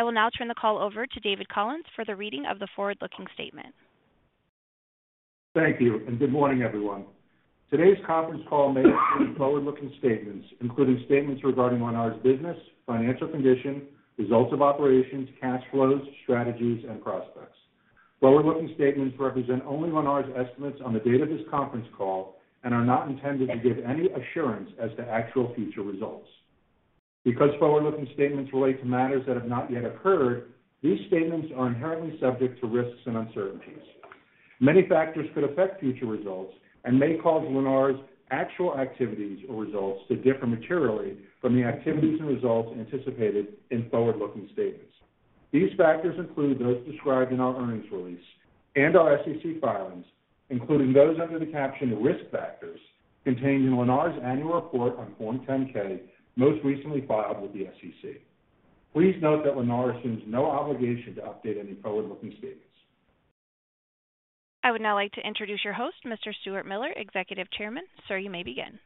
I will now turn the call over to David Collins for the reading of the forward-looking statement. Thank you, and good morning, everyone. Today's conference call may include forward-looking statements, including statements regarding Lennar's business, financial condition, results of operations, cash flows, strategies, and prospects. Forward-looking statements represent only Lennar's estimates on the date of this conference call and are not intended to give any assurance as to actual future results. Because forward-looking statements relate to matters that have not yet occurred, these statements are inherently subject to risks and uncertainties. Many factors could affect future results and may cause Lennar's actual activities or results to differ materially from the activities and results anticipated in forward-looking statements. These factors include those described in our earnings release and our SEC filings, including those under the caption Risk Factors contained in Lennar's annual report on Form 10-K, most recently filed with the SEC. Please note that Lennar assumes no obligation to update any forward-looking statements. I would now like to introduce your host, Mr. Stuart Miller, Executive Chairman. Sir, you may begin.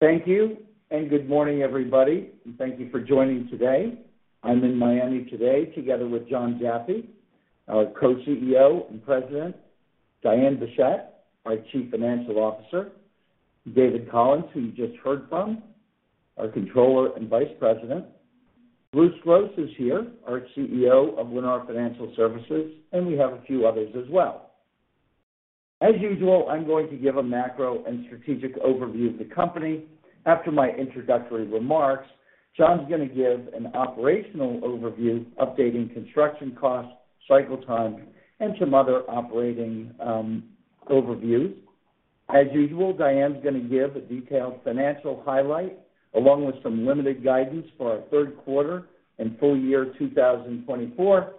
Thank you, and good morning, everybody, and thank you for joining today. I'm in Miami today together with Jon Jaffe, our co-CEO and President, Diane Bessette, our Chief Financial Officer, David Collins, who you just heard from, our Controller and Vice President. Bruce Gross is here, our CEO of Lennar Financial Services, and we have a few others as well. As usual, I'm going to give a macro and strategic overview of the company. After my introductory remarks, Jon's gonna give an operational overview, updating construction costs, cycle times, and some other operating overviews. As usual, Diane's gonna give a detailed financial highlight, along with some limited guidance for our third quarter and full year 2024.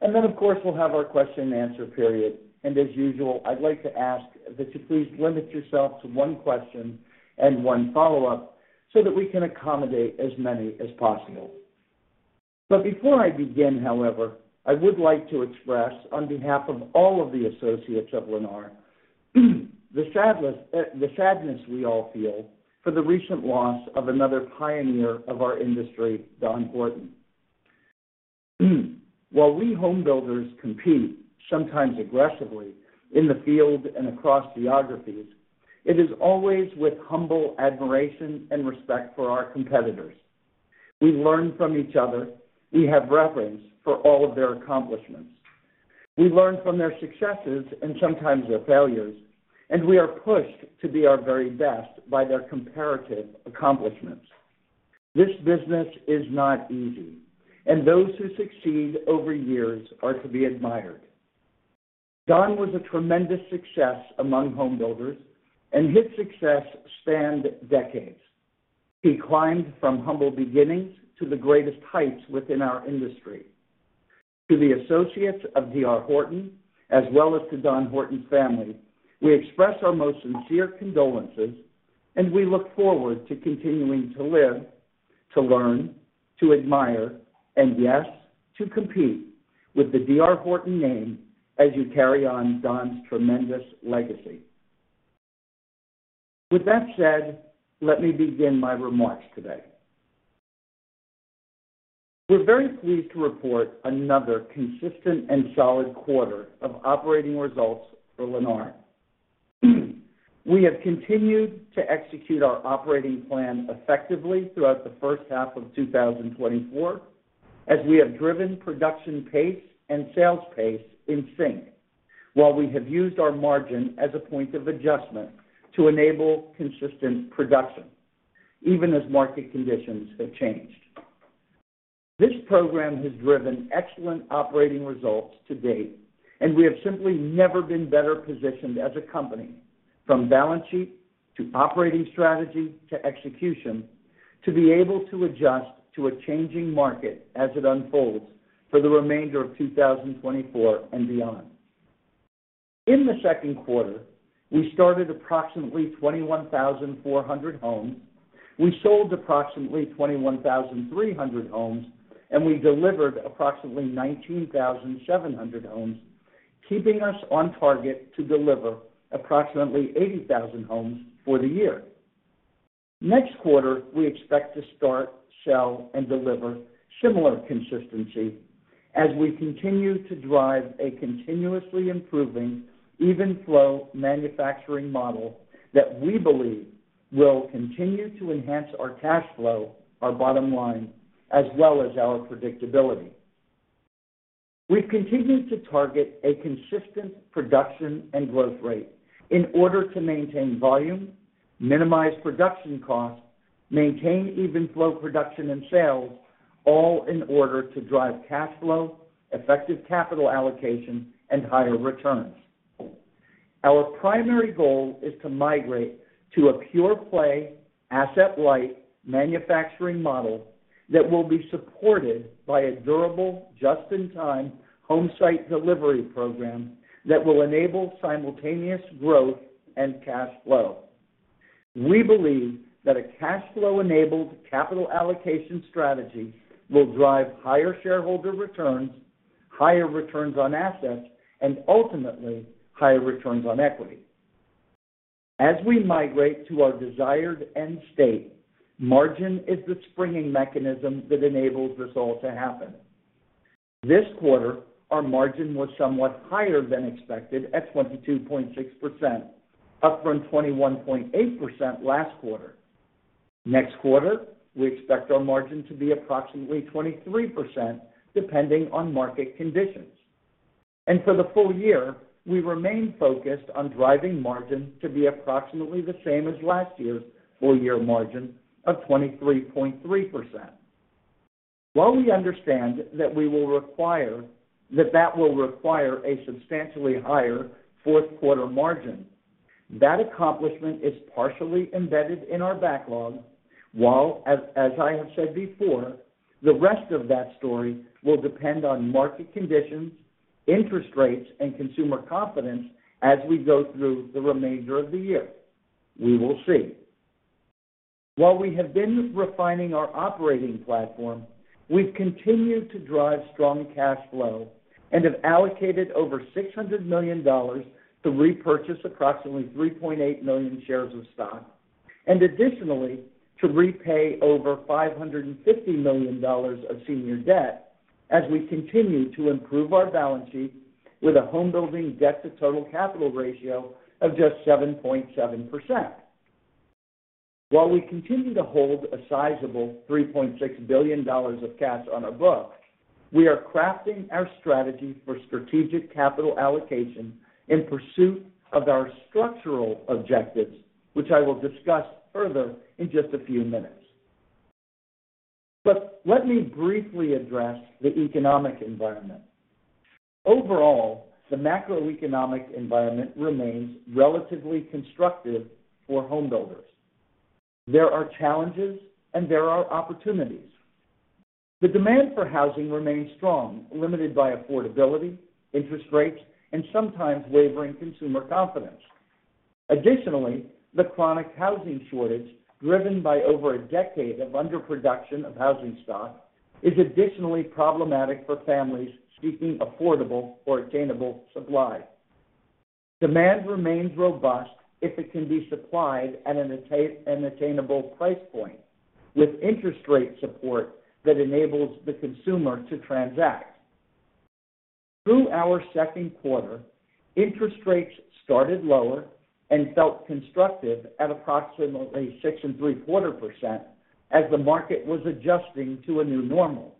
And then, of course, we'll have our question and answer period. And as usual, I'd like to ask that you please limit yourself to one question and one follow-up so that we can accommodate as many as possible. But before I begin, however, I would like to express, on behalf of all of the associates of Lennar, the sadness, the sadness we all feel for the recent loss of another pioneer of our industry, Don Horton. While we homebuilders compete, sometimes aggressively, in the field and across geographies, it is always with humble admiration and respect for our competitors. We learn from each other. We have reverence for all of their accomplishments. We learn from their successes and sometimes their failures, and we are pushed to be our very best by their comparative accomplishments. This business is not easy, and those who succeed over years are to be admired. Don was a tremendous success among homebuilders, and his success spanned decades. He climbed from humble beginnings to the greatest heights within our industry. To the associates of D.R. Horton, as well as to Don Horton's family, we express our most sincere condolences, and we look forward to continuing to live, to learn, to admire, and yes, to compete with the D.R. Horton name as you carry on Don's tremendous legacy. With that said, let me begin my remarks today. We're very pleased to report another consistent and solid quarter of operating results for Lennar. We have continued to execute our operating plan effectively throughout the first half of 2024, as we have driven production pace and sales pace in sync, while we have used our margin as a point of adjustment to enable consistent production, even as market conditions have changed. This program has driven excellent operating results to date, and we have simply never been better positioned as a company, from balance sheet to operating strategy to execution, to be able to adjust to a changing market as it unfolds for the remainder of 2024 and beyond. In the second quarter, we started approximately 21,400 homes, we sold approximately 21,300 homes, and we delivered approximately 19,700 homes, keeping us on target to deliver approximately 80,000 homes for the year. Next quarter, we expect to start, sell, and deliver similar consistency as we continue to drive a continuously improving, even flow manufacturing model that we believe will continue to enhance our cash flow, our bottom line, as well as our predictability. We've continued to target a consistent production and growth rate in order to maintain volume, minimize production costs, maintain even flow production and sales, all in order to drive cash flow, effective capital allocation, and higher returns. Our primary goal is to migrate to a pure-play, asset-light manufacturing model that will be supported by a durable, just-in-time home site delivery program that will enable simultaneous growth and cash flow. We believe that a cash flow-enabled capital allocation strategy will drive higher shareholder returns, higher returns on assets, and ultimately, higher returns on equity.... As we migrate to our desired end state, margin is the springing mechanism that enables this all to happen. This quarter, our margin was somewhat higher than expected at 22.6%, up from 21.8% last quarter. Next quarter, we expect our margin to be approximately 23%, depending on market conditions. For the full year, we remain focused on driving margin to be approximately the same as last year's full year margin of 23.3%. While we understand that that will require a substantially higher fourth quarter margin, that accomplishment is partially embedded in our backlog, while, as I have said before, the rest of that story will depend on market conditions, interest rates, and consumer confidence as we go through the remainder of the year. We will see. While we have been refining our operating platform, we've continued to drive strong cash flow and have allocated over $600 million to repurchase approximately 3.8 million shares of stock, and additionally, to repay over $550 million of senior debt as we continue to improve our balance sheet with a homebuilding debt-to-total capital ratio of just 7.7%. While we continue to hold a sizable $3.6 billion of cash on our books, we are crafting our strategy for strategic capital allocation in pursuit of our structural objectives, which I will discuss further in just a few minutes. But let me briefly address the economic environment. Overall, the macroeconomic environment remains relatively constructive for home builders. There are challenges and there are opportunities. The demand for housing remains strong, limited by affordability, interest rates, and sometimes wavering consumer confidence. Additionally, the chronic housing shortage, driven by over a decade of underproduction of housing stock, is additionally problematic for families seeking affordable or attainable supply. Demand remains robust if it can be supplied at an attainable price point, with interest rate support that enables the consumer to transact. Through our second quarter, interest rates started lower and felt constructive at approximately 6.75% as the market was adjusting to a new normal.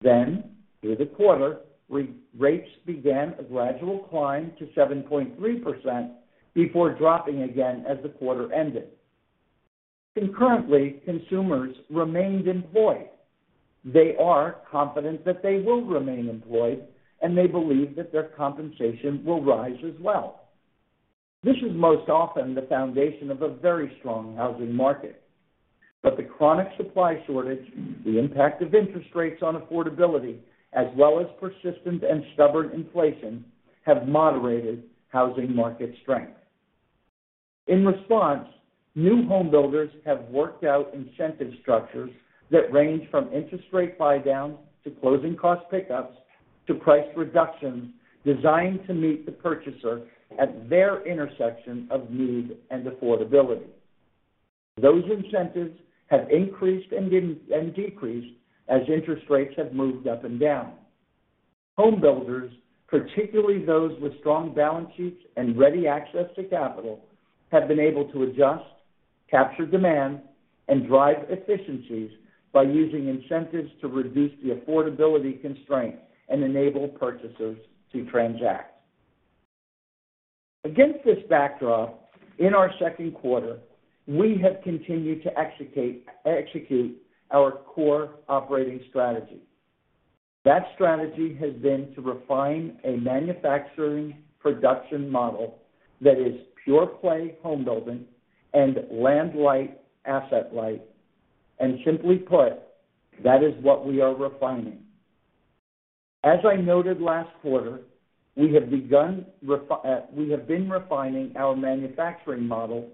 Then, through the quarter, rates began a gradual climb to 7.3% before dropping again as the quarter ended. Concurrently, consumers remained employed. They are confident that they will remain employed, and they believe that their compensation will rise as well. This is most often the foundation of a very strong housing market, but the chronic supply shortage, the impact of interest rates on affordability, as well as persistent and stubborn inflation, have moderated housing market strength. In response, new home builders have worked out incentive structures that range from interest rate buydowns to closing cost pickups to price reductions designed to meet the purchaser at their intersection of need and affordability. Those incentives have increased and decreased as interest rates have moved up and down. Home builders, particularly those with strong balance sheets and ready access to capital, have been able to adjust, capture demand, and drive efficiencies by using incentives to reduce the affordability constraint and enable purchasers to transact. Against this backdrop, in our second quarter, we have continued to execute our core operating strategy. That strategy has been to refine a manufacturing production model that is pure-play home building and land-light, asset-light, and simply put, that is what we are refining. As I noted last quarter, we have been refining our manufacturing model.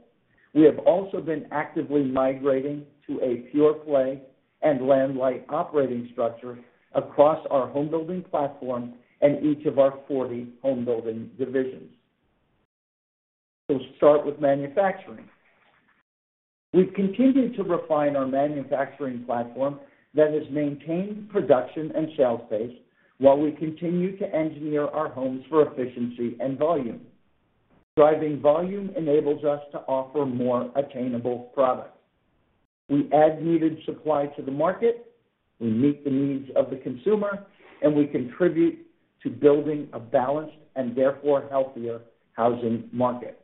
We have also been actively migrating to a pure-play and land-light operating structure across our home building platform and each of our 40 home building divisions. We'll start with manufacturing. We've continued to refine our manufacturing platform that has maintained production and sales pace while we continue to engineer our homes for efficiency and volume. Driving volume enables us to offer more attainable products. We add needed supply to the market, we meet the needs of the consumer, and we contribute to building a balanced and therefore healthier housing market.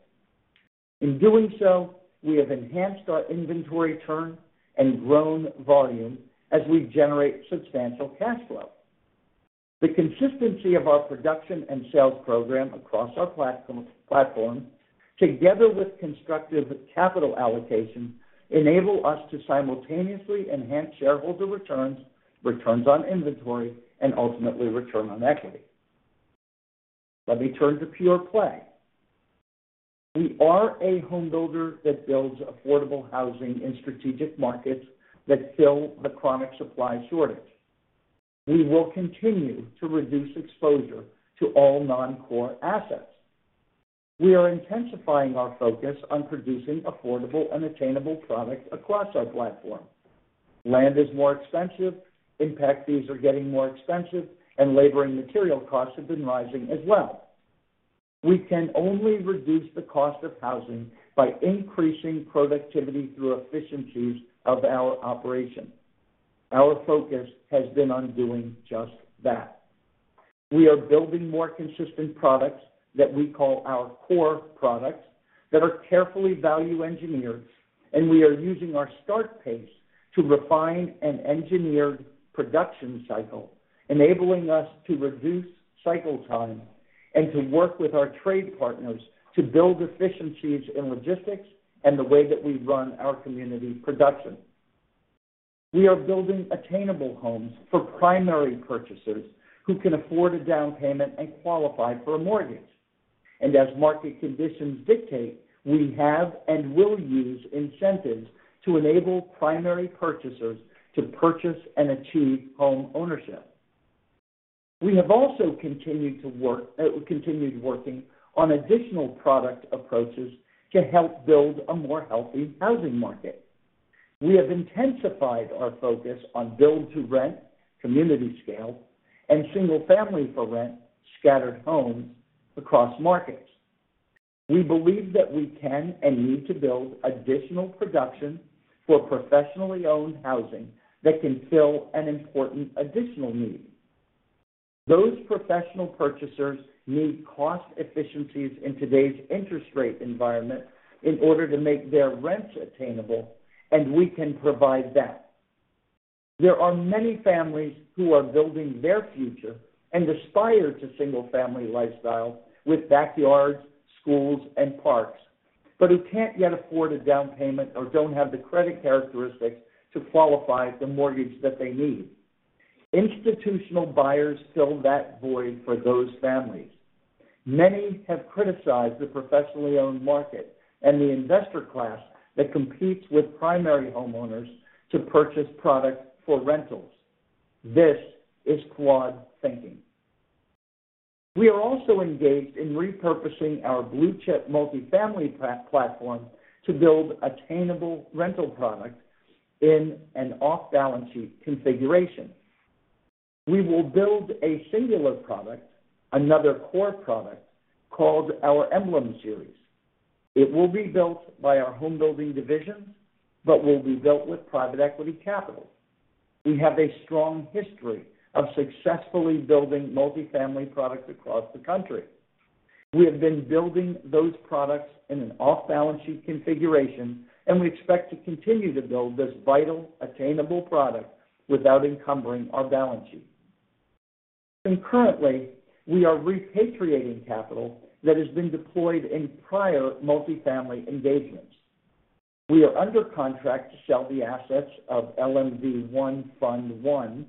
In doing so, we have enhanced our inventory turn and grown volume as we generate substantial cash flow. The consistency of our production and sales program across our platform, platform, together with constructive capital allocation, enable us to simultaneously enhance shareholder returns, returns on inventory, and ultimately, return on equity. Let me turn to pure play. We are a home builder that builds affordable housing in strategic markets that fill the chronic supply shortage.... We will continue to reduce exposure to all non-core assets. We are intensifying our focus on producing affordable and attainable products across our platform. Land is more expensive, impact fees are getting more expensive, and labor and material costs have been rising as well. We can only reduce the cost of housing by increasing productivity through efficiencies of our operation. Our focus has been on doing just that. We are building more consistent products that we call our core products, that are carefully value-engineered, and we are using our start pace to refine an engineered production cycle, enabling us to reduce cycle time and to work with our trade partners to build efficiencies in logistics and the way that we run our community production. We are building attainable homes for primary purchasers who can afford a down payment and qualify for a mortgage. As market conditions dictate, we have and will use incentives to enable primary purchasers to purchase and achieve homeownership. We have also continued working on additional product approaches to help build a more healthy housing market. We have intensified our focus on build-to-rent, community scale, and single-family-for-rent scattered homes across markets. We believe that we can and need to build additional production for professionally-owned housing that can fill an important additional need. Those professional purchasers need cost efficiencies in today's interest rate environment in order to make their rents attainable, and we can provide that. There are many families who are building their future and aspire to single-family lifestyle with backyards, schools, and parks, but who can't yet afford a down payment or don't have the credit characteristics to qualify the mortgage that they need. Institutional buyers fill that void for those families. Many have criticized the professionally-owned market and the investor class that competes with primary homeowners to purchase product for rentals. This is crude thinking. We are also engaged in repurposing our blue-chip multifamily platform to build attainable rental products in an off-balance sheet configuration. We will build a singular product, another core product, called our Emblem Series. It will be built by our home building divisions, but will be built with private equity capital. We have a strong history of successfully building multifamily products across the country. We have been building those products in an off-balance sheet configuration, and we expect to continue to build this vital, attainable product without encumbering our balance sheet. Concurrently, we are repatriating capital that has been deployed in prior multifamily engagements. We are under contract to sell the assets of LMV Fund One.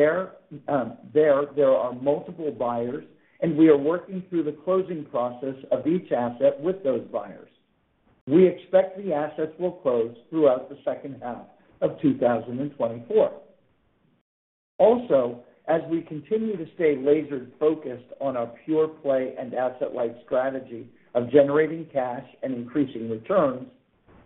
There are multiple buyers, and we are working through the closing process of each asset with those buyers. We expect the assets will close throughout the second half of 2024. Also, as we continue to stay laser-focused on our pure-play and asset-light strategy of generating cash and increasing returns,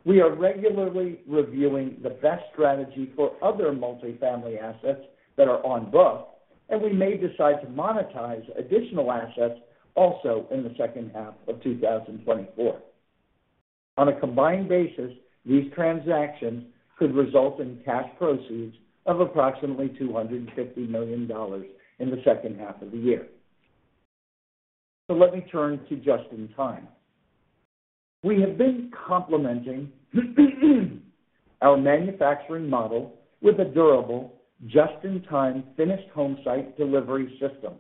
we are regularly reviewing the best strategy for other multifamily assets that are on book, and we may decide to monetize additional assets also in the second half of 2024. On a combined basis, these transactions could result in cash proceeds of approximately $250 million in the second half of the year. So let me turn to just-in-time. We have been complementing our manufacturing model with a durable, just-in-time finished home site delivery system.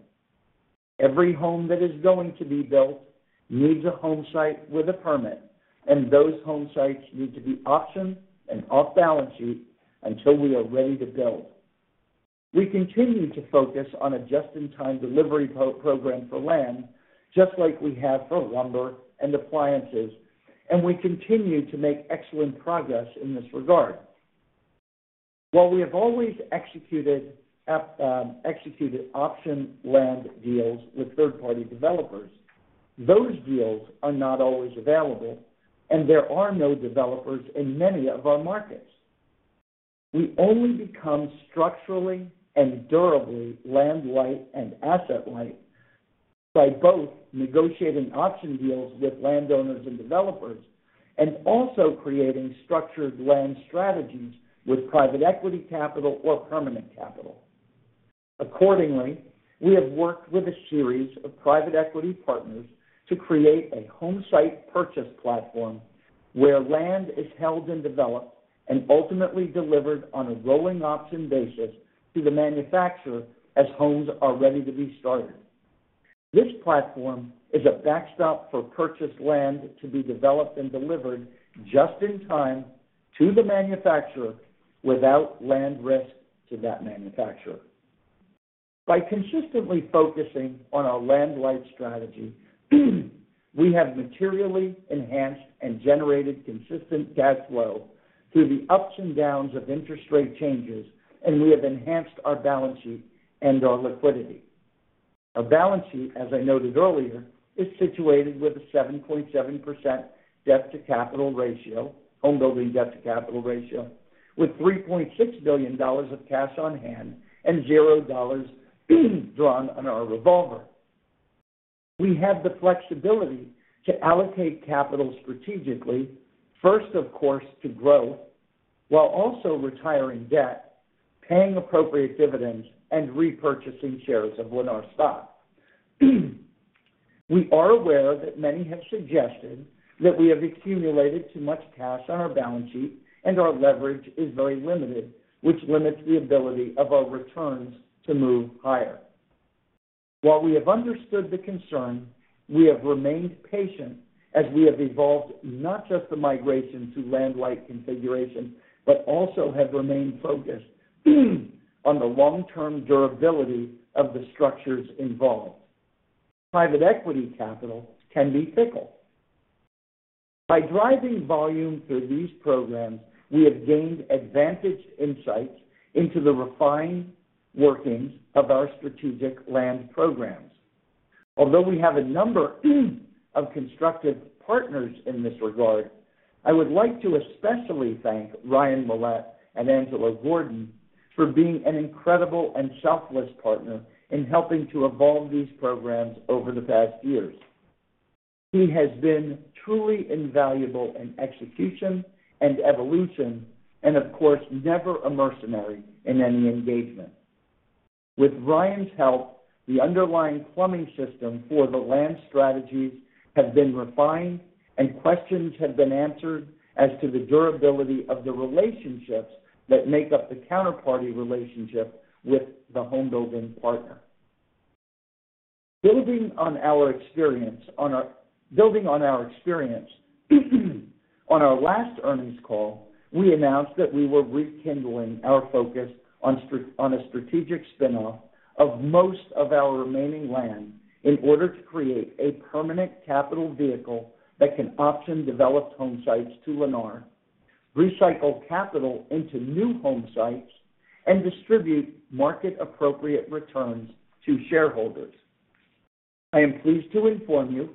Every home that is going to be built needs a home site with a permit, and those home sites need to be optioned and off balance sheet until we are ready to build. We continue to focus on a just-in-time delivery program for land, just like we have for lumber and appliances, and we continue to make excellent progress in this regard. While we have always executed option land deals with third-party developers, those deals are not always available, and there are no developers in many of our markets. We only become structurally and durably land-light and asset-light by both negotiating option deals with landowners and developers, and also creating structured land strategies with private equity capital or permanent capital. Accordingly, we have worked with a series of private equity partners to create a home site purchase platform where land is held and developed and ultimately delivered on a rolling option basis to the manufacturer as homes are ready to be started. This platform is a backstop for purchased land to be developed and delivered just in time to the manufacturer without land risk to that manufacturer. By consistently focusing on our land-light strategy, we have materially enhanced and generated consistent cash flow through the ups and downs of interest rate changes, and we have enhanced our balance sheet and our liquidity. Our balance sheet, as I noted earlier, is situated with a 7.7% debt-to-capital ratio, home building debt-to-capital ratio, with $3.6 billion of cash on hand and $0 drawn on our revolver. We have the flexibility to allocate capital strategically, first, of course, to growth, while also retiring debt, paying appropriate dividends, and repurchasing shares of Lennar stock. We are aware that many have suggested that we have accumulated too much cash on our balance sheet and our leverage is very limited, which limits the ability of our returns to move higher. While we have understood the concern, we have remained patient as we have evolved, not just the migration to land-light configuration, but also have remained focused on the long-term durability of the structures involved. Private equity capital can be fickle. By driving volume through these programs, we have gained advantage insights into the refined workings of our strategic land programs. Although we have a number of constructive partners in this regard, I would like to especially thank Ryan Mollett and Angelo Gordon for being an incredible and selfless partner in helping to evolve these programs over the past years. He has been truly invaluable in execution and evolution and, of course, never a mercenary in any engagement. With Ryan's help, the underlying plumbing system for the land strategies has been refined, and questions have been answered as to the durability of the relationships that make up the counterparty relationship with the homebuilding partner. Building on our experience on our last earnings call, we announced that we were rekindling our focus on a strategic spinoff of most of our remaining land in order to create a permanent capital vehicle that can option developed home sites to Lennar, recycle capital into new home sites, and distribute market-appropriate returns to shareholders. I am pleased to inform you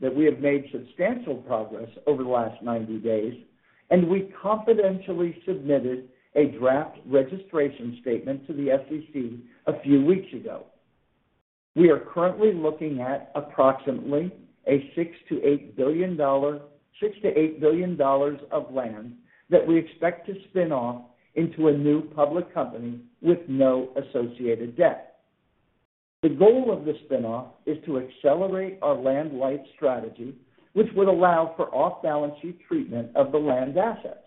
that we have made substantial progress over the last 90 days, and we confidentially submitted a draft registration statement to the SEC a few weeks ago. We are currently looking at approximately $6billion-$8 billion, $6billion-$8 billion of land that we expect to spin off into a new public company with no associated debt. The goal of the spinoff is to accelerate our land-light strategy, which would allow for off-balance sheet treatment of the land assets.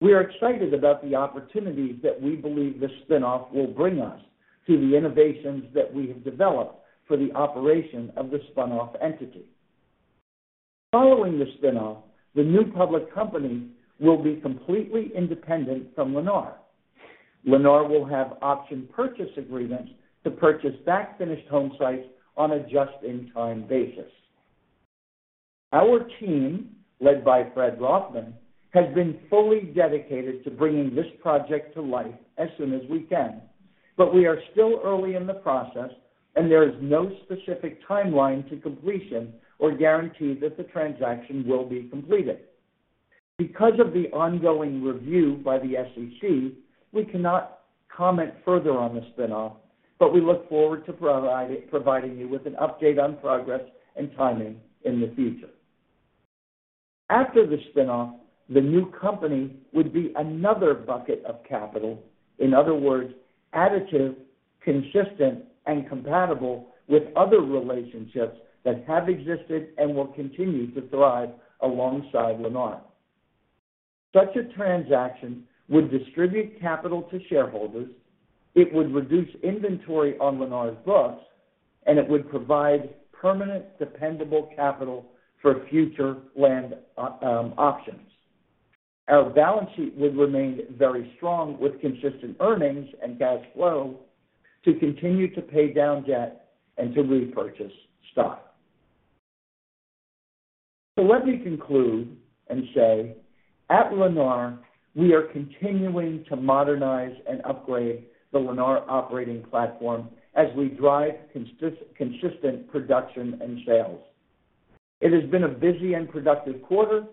We are excited about the opportunities that we believe the spinoff will bring us through the innovations that we have developed for the operation of the spun-off entity. Following the spinoff, the new public company will be completely independent from Lennar. Lennar will have option purchase agreements to purchase back finished home sites on a just-in-time basis. Our team, led by Fred Rothman, has been fully dedicated to bringing this project to life as soon as we can, but we are still early in the process, and there is no specific timeline to completion or guarantee that the transaction will be completed. Because of the ongoing review by the SEC, we cannot comment further on the spinoff, but we look forward to providing you with an update on progress and timing in the future. After the spinoff, the new company would be another bucket of capital, in other words, additive, consistent, and compatible with other relationships that have existed and will continue to thrive alongside Lennar. Such a transaction would distribute capital to shareholders, it would reduce inventory on Lennar's books, and it would provide permanent, dependable capital for future land options. Our balance sheet would remain very strong, with consistent earnings and cash flow to continue to pay down debt and to repurchase stock. So let me conclude and say, at Lennar, we are continuing to modernize and upgrade the Lennar operating platform as we drive consistent production and sales. It has been a busy and productive quarter,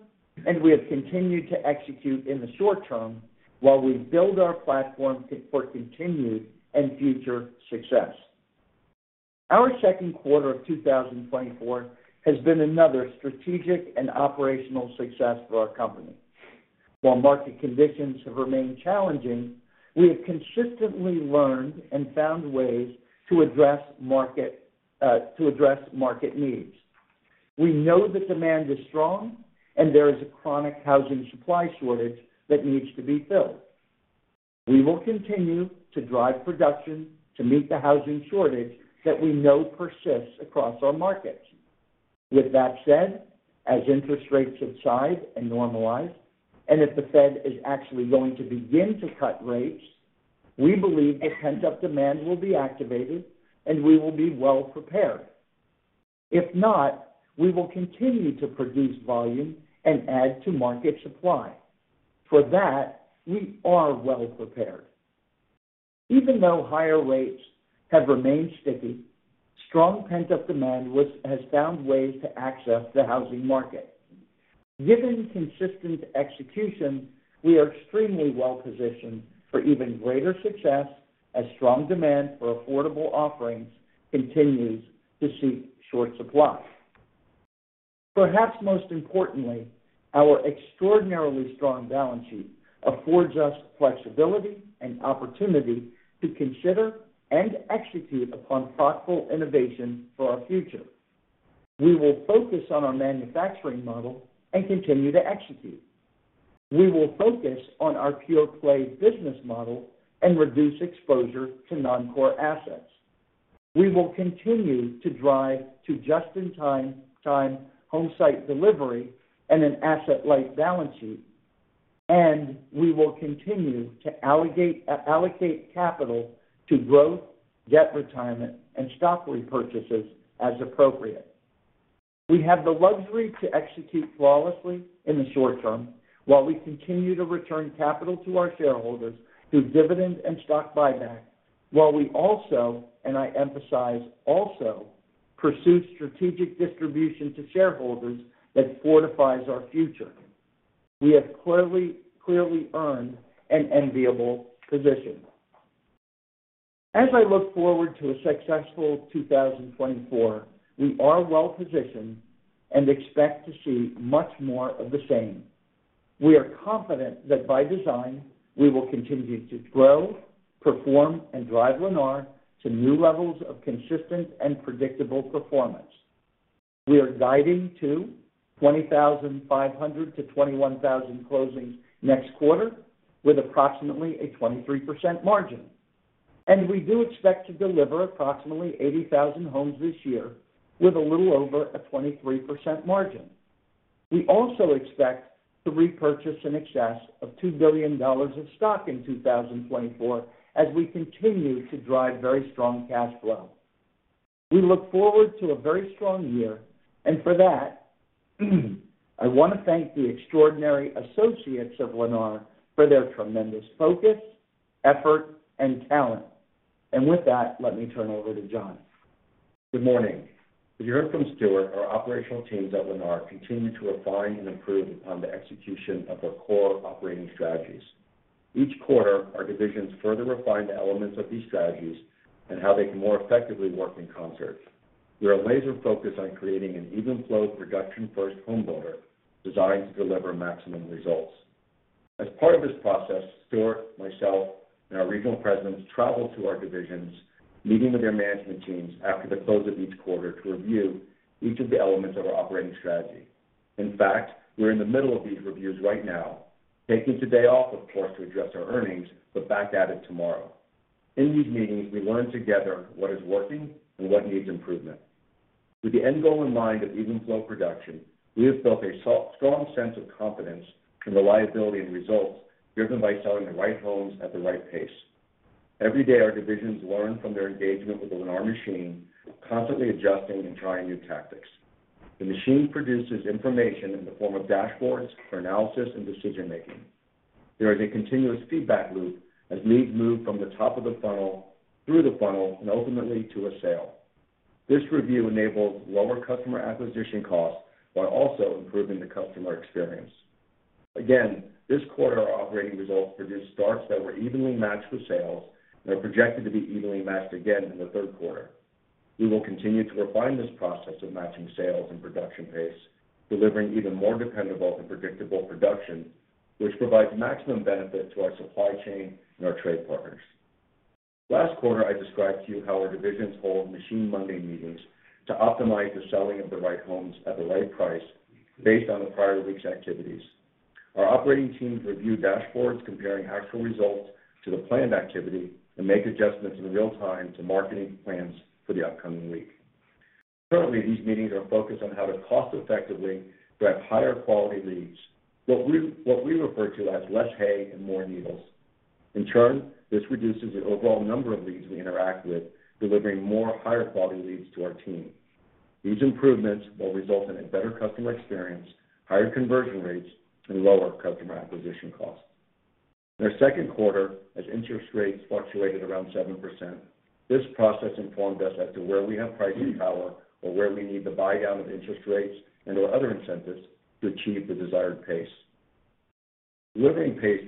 and we have continued to execute in the short term while we build our platform for continued and future success. Our second quarter of 2024 has been another strategic and operational success for our company. While market conditions have remained challenging, we have consistently learned and found ways to address market needs. We know the demand is strong, and there is a chronic housing supply shortage that needs to be filled. We will continue to drive production to meet the housing shortage that we know persists across our markets.... With that said, as interest rates subside and normalize, and if the Fed is actually going to begin to cut rates, we believe a pent-up demand will be activated, and we will be well-prepared. If not, we will continue to produce volume and add to market supply. For that, we are well-prepared. Even though higher rates have remained sticky, strong pent-up demand has found ways to access the housing market. Given consistent execution, we are extremely well-positioned for even greater success as strong demand for affordable offerings continues to seek short supply. Perhaps most importantly, our extraordinarily strong balance sheet affords us flexibility and opportunity to consider and execute upon thoughtful innovation for our future. We will focus on our manufacturing model and continue to execute. We will focus on our pure-play business model and reduce exposure to non-core assets. We will continue to drive to just-in-time home site delivery and an asset-light balance sheet, and we will continue to allocate, allocate capital to growth, debt retirement, and stock repurchases as appropriate. We have the luxury to execute flawlessly in the short term while we continue to return capital to our shareholders through dividends and stock buyback, while we also, and I emphasize also, pursue strategic distribution to shareholders that fortifies our future. We have clearly, clearly earned an enviable position. As I look forward to a successful 2024, we are well-positioned and expect to see much more of the same. We are confident that by design, we will continue to grow, perform, and drive Lennar to new levels of consistent and predictable performance. We are guiding to 20,500-21,000 closings next quarter, with approximately a 23% margin, and we do expect to deliver approximately 80,000 homes this year with a little over a 23% margin. We also expect to repurchase in excess of $2 billion of stock in 2024 as we continue to drive very strong cash flow. We look forward to a very strong year, and for that, I want to thank the extraordinary associates of Lennar for their tremendous focus, effort, and talent. With that, let me turn over to Jon. Good morning. As you heard from Stuart, our operational teams at Lennar continue to refine and improve upon the execution of our core operating strategies. Each quarter, our divisions further refine the elements of these strategies and how they can more effectively work in concert. We are laser-focused on creating an even-flow production-first homebuilder designed to deliver maximum results. As part of this process, Stuart, myself, and our regional presidents travel to our divisions, meeting with their management teams after the close of each quarter to review each of the elements of our operating strategy. In fact, we're in the middle of these reviews right now, taking today off, of course, to address our earnings, but back at it tomorrow. In these meetings, we learn together what is working and what needs improvement. With the end goal in mind of even flow production, we have built a so strong sense of confidence in the viability and results driven by selling the right homes at the right pace. Every day, our divisions learn from their engagement with the Lennar Machine, constantly adjusting and trying new tactics. The machine produces information in the form of dashboards for analysis and decision-making. There is a continuous feedback loop as leads move from the top of the funnel through the funnel and ultimately to a sale. This review enables lower customer acquisition costs while also improving the customer experience. Again, this quarter, our operating results produced starts that were evenly matched with sales and are projected to be evenly matched again in the third quarter. We will continue to refine this process of matching sales and production pace, delivering even more dependable and predictable production, which provides maximum benefit to our supply chain and our trade partners. Last quarter, I described to you how our divisions hold Machine Monday meetings to optimize the selling of the right homes at the right price based on the prior week's activities. Our operating teams review dashboards comparing actual results to the planned activity and make adjustments in real time to marketing plans for the upcoming week. Currently, these meetings are focused on how to cost-effectively drive higher-quality leads, what we refer to as less hay and more needles. In turn, this reduces the overall number of leads we interact with, delivering more higher-quality leads to our team. These improvements will result in a better customer experience, higher conversion rates, and lower customer acquisition costs. In our second quarter, as interest rates fluctuated around 7%, this process informed us as to where we have pricing power or where we need the buy-down of interest rates and/or other incentives to achieve the desired pace. Achievement pace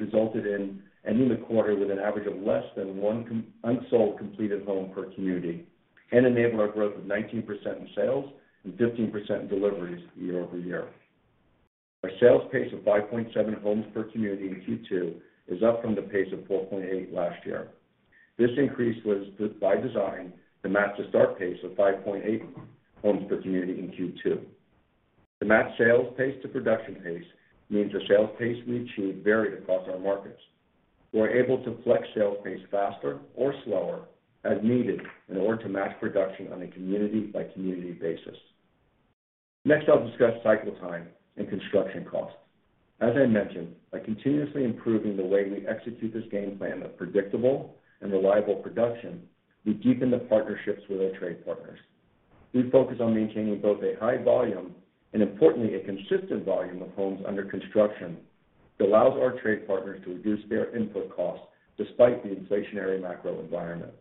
resulted in ending the quarter with an average of less than one unsold completed home per community and enabled our growth of 19% in sales and 15% in deliveries year-over-year. Our sales pace of 5.7 homes per community in Q2 is up from the pace of 4.8 last year. This increase was by design to match the start pace of 5.8 homes per community in Q2. To match sales pace to production pace means the sales pace we achieve varied across our markets. We are able to flex sales pace faster or slower as needed in order to match production on a community-by-community basis. Next, I'll discuss cycle time and construction costs. As I mentioned, by continuously improving the way we execute this game plan of predictable and reliable production, we deepen the partnerships with our trade partners. We focus on maintaining both a high volume and, importantly, a consistent volume of homes under construction that allows our trade partners to reduce their input costs despite the inflationary macro environment.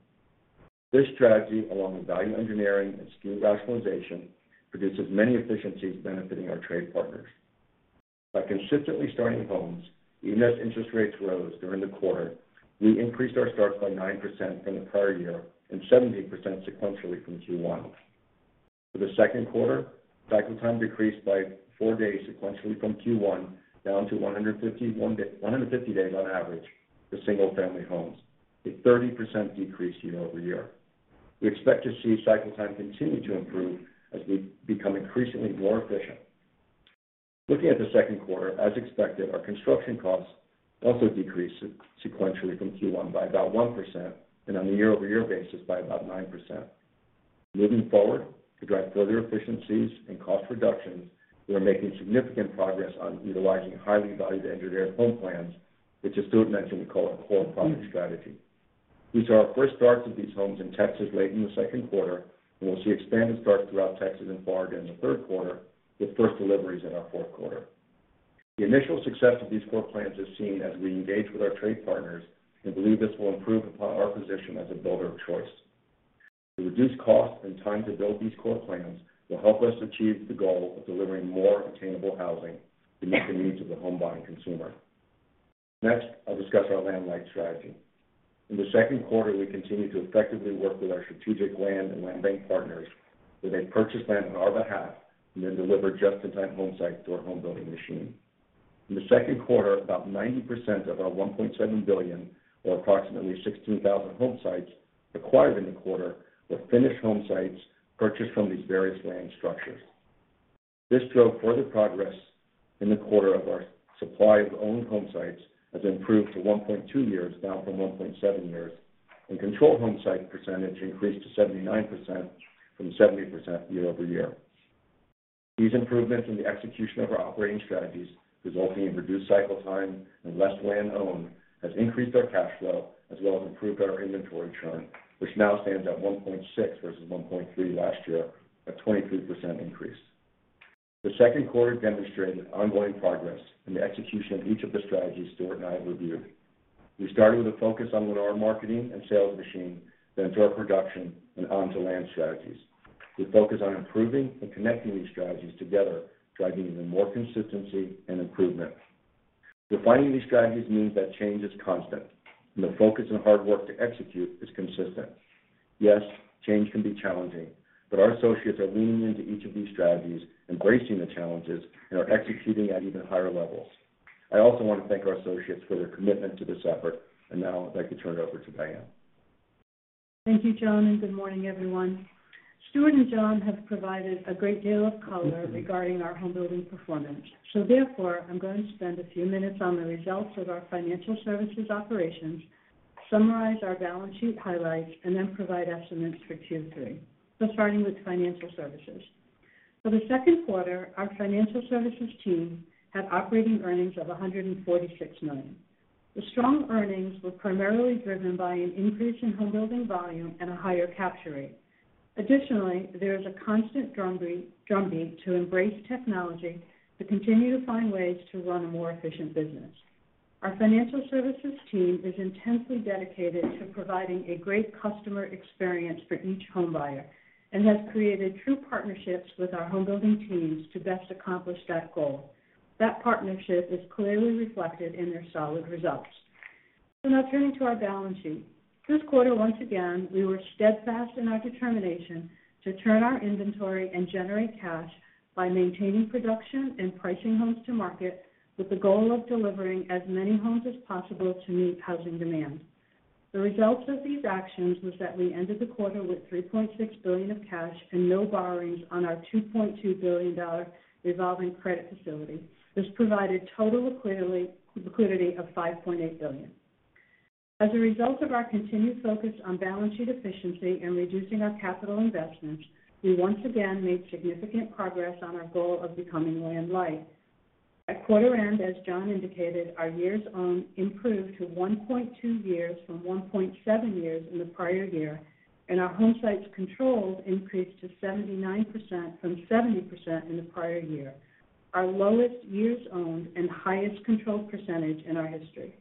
This strategy, along with value engineering and SKU rationalization, produces many efficiencies benefiting our trade partners. By consistently starting homes, even as interest rates rose during the quarter, we increased our starts by 9% from the prior year and 17% sequentially from Q1. For the second quarter, cycle time decreased by four days sequentially from Q1, down to 150 days on average for single-family homes, a 30% decrease year-over-year. We expect to see cycle time continue to improve as we become increasingly more efficient. Looking at the second quarter, as expected, our construction costs also decreased sequentially from Q1 by about 1% and on a year-over-year basis by about 9%. Moving forward, to drive further efficiencies and cost reductions, we are making significant progress on utilizing highly valued engineered home plans, which as Stuart mentioned, we call our core product strategy. We saw our first starts of these homes in Texas late in the second quarter, and we'll see expanded starts throughout Texas and Florida in the third quarter, with first deliveries in our fourth quarter. The initial success of these core plans is seen as we engage with our trade partners, and believe this will improve upon our position as a builder of choice. The reduced cost and time to build these core plans will help us achieve the goal of delivering more attainable housing to meet the needs of the home buying consumer. Next, I'll discuss our land-light strategy. In the second quarter, we continued to effectively work with our strategic land and land bank partners, where they purchase land on our behalf and then deliver just-in-time home sites to our home building machine. In the second quarter, about 90% of our $1.7 billion, or approximately 16,000 home sites acquired in the quarter, were finished home sites purchased from these various land structures. This drove further progress in the quarter on our supply of owned home sites, has improved to 1.2 years, down from 1.7 years, and controlled home site percentage increased to 79% from 70% year-over-year. These improvements in the execution of our operating strategies, resulting in reduced cycle time and less land owned, has increased our cash flow as well as improved our inventory turn, which now stands at 1.6 versus 1.3 last year, a 23% increase. The second quarter demonstrated ongoing progress in the execution of each of the strategies Stuart and I have reviewed. We started with a focus on winning our marketing and sales machine, then to our production, and on to land strategies. We focus on improving and connecting these strategies together, driving even more consistency and improvement. Defining these strategies means that change is constant, and the focus and hard work to execute is consistent. Yes, change can be challenging, but our associates are leaning into each of these strategies, embracing the challenges, and are executing at even higher levels. I also want to thank our associates for their commitment to this effort. Now I'd like to turn it over to Diane. Thank you, Jon, and good morning, everyone. Stuart and Jon have provided a great deal of color regarding our home building performance. Therefore, I'm going to spend a few minutes on the results of our financial services operations, summarize our balance sheet highlights, and then provide estimates for Q3. Starting with financial services. For the second quarter, our financial services team had operating earnings of $146 million. The strong earnings were primarily driven by an increase in home building volume and a higher capture rate. Additionally, there is a constant drumbeat to embrace technology to continue to find ways to run a more efficient business. Our financial services team is intensely dedicated to providing a great customer experience for each home buyer and has created true partnerships with our home building teams to best accomplish that goal. That partnership is clearly reflected in their solid results. So now turning to our balance sheet. This quarter, once again, we were steadfast in our determination to turn our inventory and generate cash by maintaining production and pricing homes to market, with the goal of delivering as many homes as possible to meet housing demand. The results of these actions was that we ended the quarter with $3.6 billion of cash and no borrowings on our $2.2 billion revolving credit facility. This provided total liquidity, liquidity of $5.8 billion. As a result of our continued focus on balance sheet efficiency and reducing our capital investments, we once again made significant progress on our goal of becoming land-light. At quarter end, as Jon indicated, our years owned improved to 1.2 years from 1.7 years in the prior year, and our home sites controlled increased to 79% from 70% in the prior year, our lowest years owned and highest controlled percentage in our history.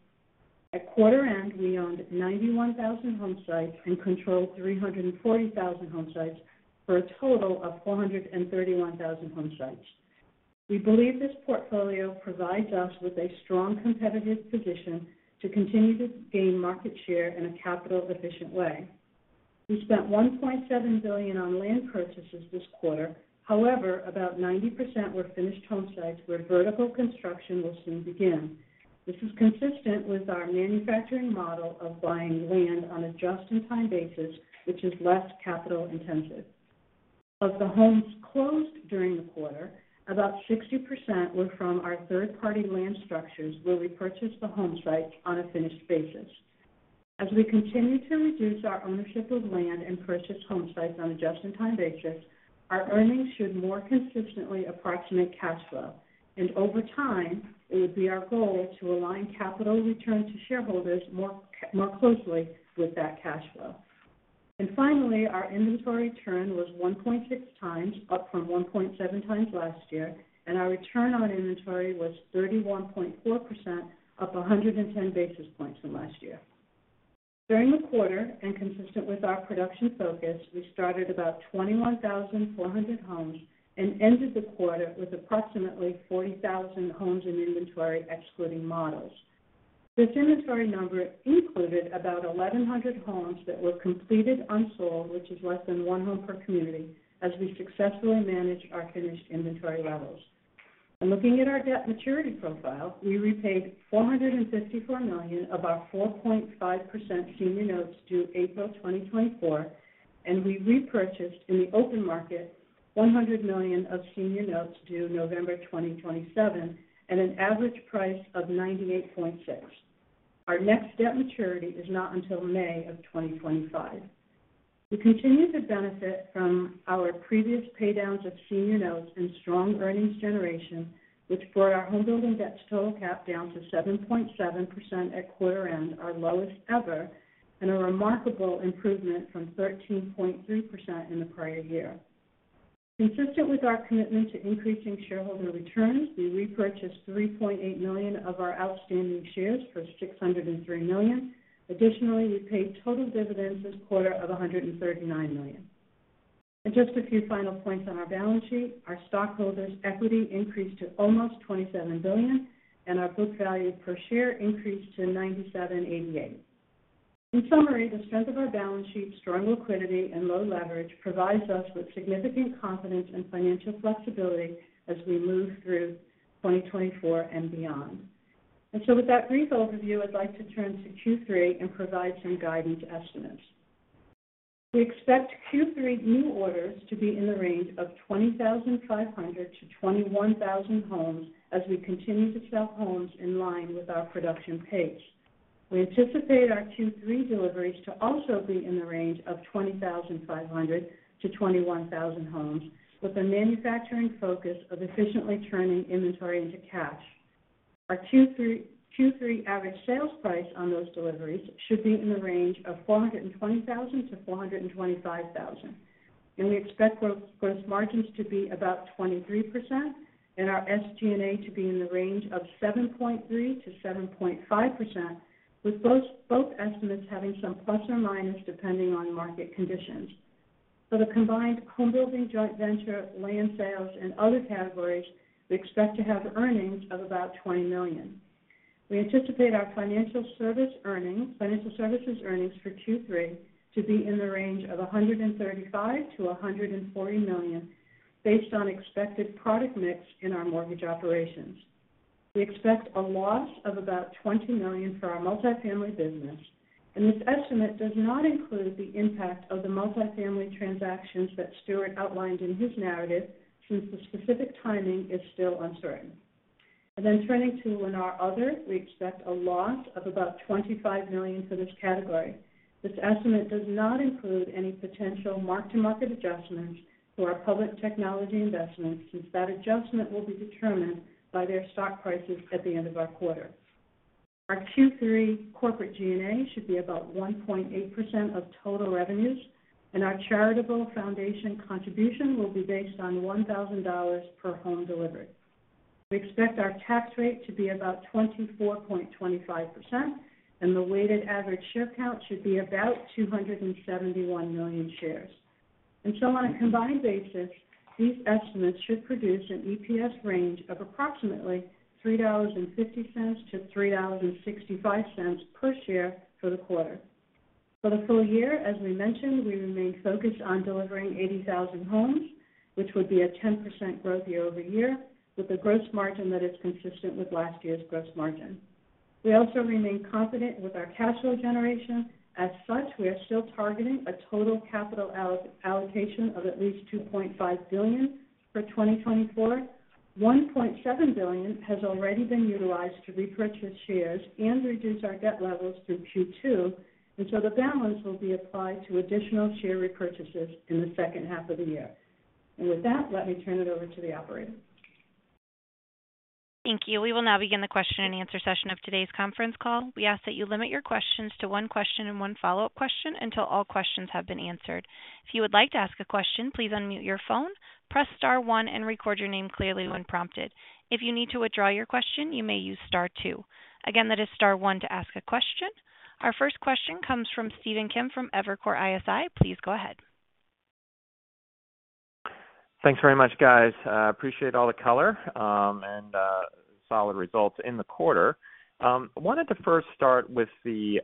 At quarter end, we owned 91,000 home sites and controlled 340,000 home sites, for a total of 431,000 home sites. We believe this portfolio provides us with a strong competitive position to continue to gain market share in a capital-efficient way. We spent $1.7 billion on land purchases this quarter. However, about 90% were finished home sites where vertical construction will soon begin. This is consistent with our manufacturing model of buying land on a just-in-time basis, which is less capital intensive.... Of the homes closed during the quarter, about 60% were from our third-party land structures, where we purchased the home site on a finished basis. As we continue to reduce our ownership of land and purchase home sites on an just-in-time time basis, our earnings should more consistently approximate cash flow. And over time, it would be our goal to align capital return to shareholders more closely with that cash flow. And finally, our inventory turn was 1.6 times, up from 1.7 times last year, and our return on inventory was 31.4%, up 110 basis points from last year. During the quarter, and consistent with our production focus, we started about 21,400 homes and ended the quarter with approximately 40,000 homes in inventory, excluding models. This inventory number included about 1,100 homes that were completed unsold, which is less than one home per community, as we successfully managed our finished inventory levels. Looking at our debt maturity profile, we repaid $454 million, about 4.5% senior notes due April 2024, and we repurchased in the open market $100 million of senior notes due November 2027 at an average price of 98.6. Our next debt maturity is not until May 2025. We continue to benefit from our previous paydowns of senior notes and strong earnings generation, which brought our homebuilding debt to total cap down to 7.7% at quarter end, our lowest ever, and a remarkable improvement from 13.3% in the prior year. Consistent with our commitment to increasing shareholder returns, we repurchased 3.8 million of our outstanding shares for $603 million. Additionally, we paid total dividends this quarter of $139 million. Just a few final points on our balance sheet. Our stockholders' equity increased to almost $27 billion, and our book value per share increased to $97.88. In summary, the strength of our balance sheet, strong liquidity, and low leverage provides us with significant confidence and financial flexibility as we move through 2024 and beyond. With that brief overview, I'd like to turn to Q3 and provide some guidance estimates. We expect Q3 new orders to be in the range of 20,500-21,000 homes, as we continue to sell homes in line with our production pace. We anticipate our Q3 deliveries to also be in the range of 20,500 to 21,000 homes, with a manufacturing focus of efficiently turning inventory into cash. Our Q3, Q3 average sales price on those deliveries should be in the range of $420,000-$425,000, and we expect gross, gross margins to be about 23% and our SG&A to be in the range of 7.3%-7.5%, with both, both estimates having some plus or minus, depending on market conditions. For the combined home building, joint venture, land sales, and other categories, we expect to have earnings of about $20 million. We anticipate our financial service earnings, financial services earnings for Q3 to be in the range of $135 million-$140 million, based on expected product mix in our mortgage operations. We expect a loss of about $20 million for our multifamily business, and this estimate does not include the impact of the multifamily transactions that Stuart outlined in his narrative, since the specific timing is still uncertain. Then turning to Lennar Other, we expect a loss of about $25 million for this category. This estimate does not include any potential mark-to-market adjustments for our public technology investments, since that adjustment will be determined by their stock prices at the end of our quarter. Our Q3 corporate G&A should be about 1.8% of total revenues, and our charitable foundation contribution will be based on $1,000 per home delivered. We expect our tax rate to be about 24.25%, and the weighted average share count should be about 271 million shares. And so on a combined basis, these estimates should produce an EPS range of approximately $3.50-$3.65 per share for the quarter. For the full year, as we mentioned, we remain focused on delivering 80,000 homes, which would be a 10% growth year-over-year, with a gross margin that is consistent with last year's gross margin. We also remain confident with our cash flow generation. As such, we are still targeting a total capital allocation of at least $2.5 billion for 2024. $1.7 billion has already been utilized to repurchase shares and reduce our debt levels through Q2, and so the balance will be applied to additional share repurchases in the second half of the year. With that, let me turn it over to the operator. Thank you. We will now begin the question-and-answer session of today's conference call. We ask that you limit your questions to one question and one follow-up question until all questions have been answered. If you would like to ask a question, please unmute your phone, press star one, and record your name clearly when prompted. If you need to withdraw your question, you may use star two. Again, that is star one to ask a question. Our first question comes from Stephen Kim from Evercore ISI. Please go ahead. Thanks very much, guys. Appreciate all the color, and solid results in the quarter. Wanted to first start with the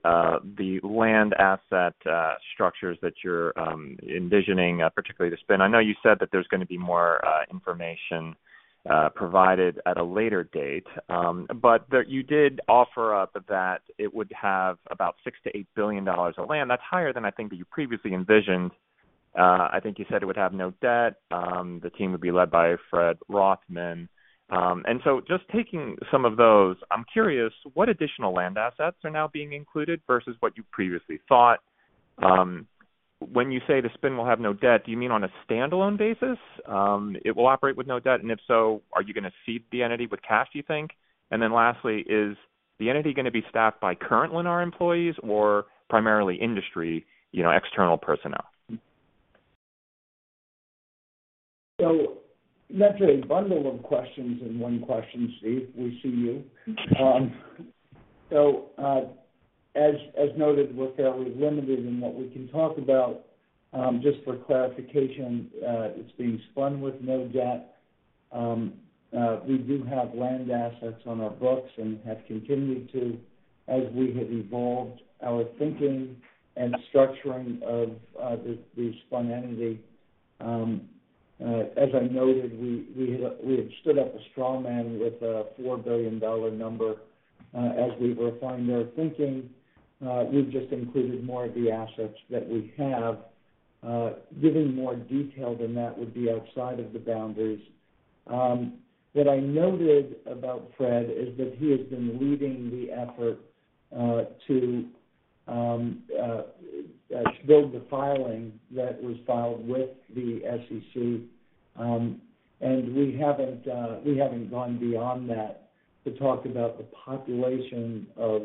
land asset structures that you're envisioning, particularly the spin. I know you said that there's gonna be more information provided at a later date, but that you did offer up that it would have about $6 billion-$8 billion of land. That's higher than I think that you previously envisioned. I think you said it would have no debt. The team would be led by Fred Rothman. And so just taking some of those, I'm curious, what additional land assets are now being included versus what you previously thought? When you say the spin will have no debt, do you mean on a standalone basis, it will operate with no debt? And if so, are you gonna seed the entity with cash, do you think? And then lastly, is the entity gonna be staffed by current Lennar employees or primarily industry, you know, external personnel? So that's a bundle of questions in one question, Stuart. We see you. So, as noted, we're fairly limited in what we can talk about. Just for clarification, it's being spun with no debt. We do have land assets on our books and have continued to, as we have evolved our thinking and structuring of this, the spun entity. As I noted, we had stood up a straw man with a $4 billion number. As we refined our thinking, we've just included more of the assets that we have. Giving more detail than that would be outside of thboundaries. What I noted about Fred is that he has been leading the effort to build the filing that was filed with the SEC. And we haven't gone beyond that to talk about the population of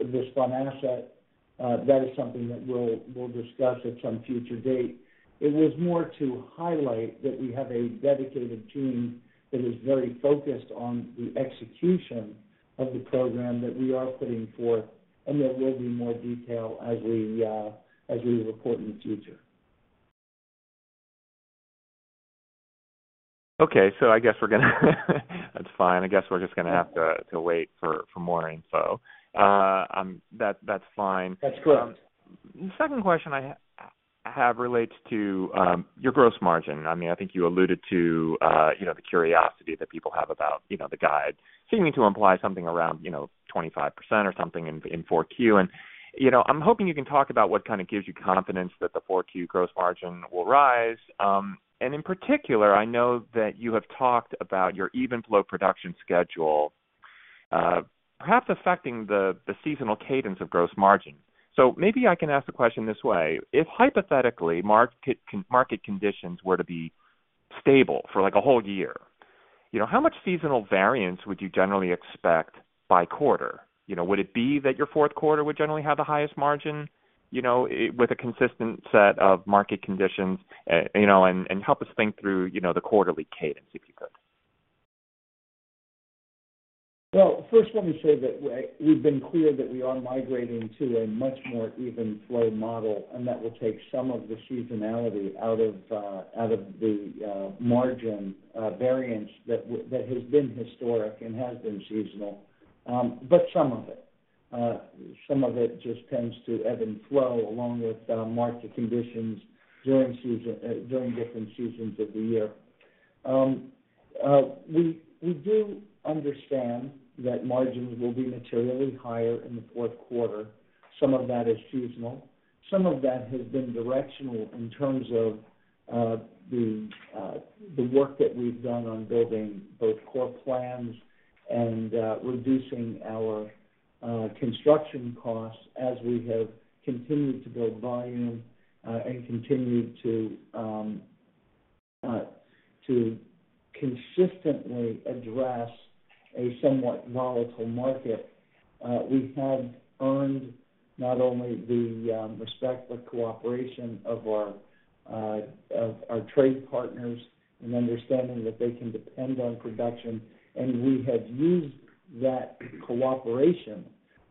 this spun asset. That is something that we'll discuss at some future date. It was more to highlight that we have a dedicated team that is very focused on the execution of the program that we are putting forth, and there will be more detail as we report in the future. Okay, so I guess we're gonna, that's fine. I guess we're just gonna have to wait for more info. That's fine. That's correct. The second question I have relates to your gross margin. I mean, I think you alluded to, you know, the curiosity that people have about, you know, the guide. Seeming to imply something around, you know, 25% or something in 4Q. And, you know, I'm hoping you can talk about what kind of gives you confidence that the 4Q gross margin will rise. And in particular, I know that you have talked about your even flow production schedule, perhaps affecting the seasonal cadence of gross margin. So maybe I can ask the question this way: If hypothetically, market conditions were to be stable for, like, a whole year, you know, how much seasonal variance would you generally expect by quarter? You know, would it be that your fourth quarter would generally have the highest margin, you know, with a consistent set of market conditions? You know, and, and help us think through, you know, the quarterly cadence, if you could. Well, first let me say that we've been clear that we are migrating to a much more even flow model, and that will take some of the seasonality out of the margin variance that has been historic and has been seasonal. But some of it just tends to ebb and flow along with market conditions during different seasons of the year. We do understand that margins will be materially higher in the fourth quarter. Some of that is seasonal. Some of that has been directional in terms of the work that we've done on building both core plans and reducing our construction costs as we have continued to build volume and continued to consistently address a somewhat volatile market. We have earned not only the respect but cooperation of our trade partners in understanding that they can depend on production, and we have used that cooperation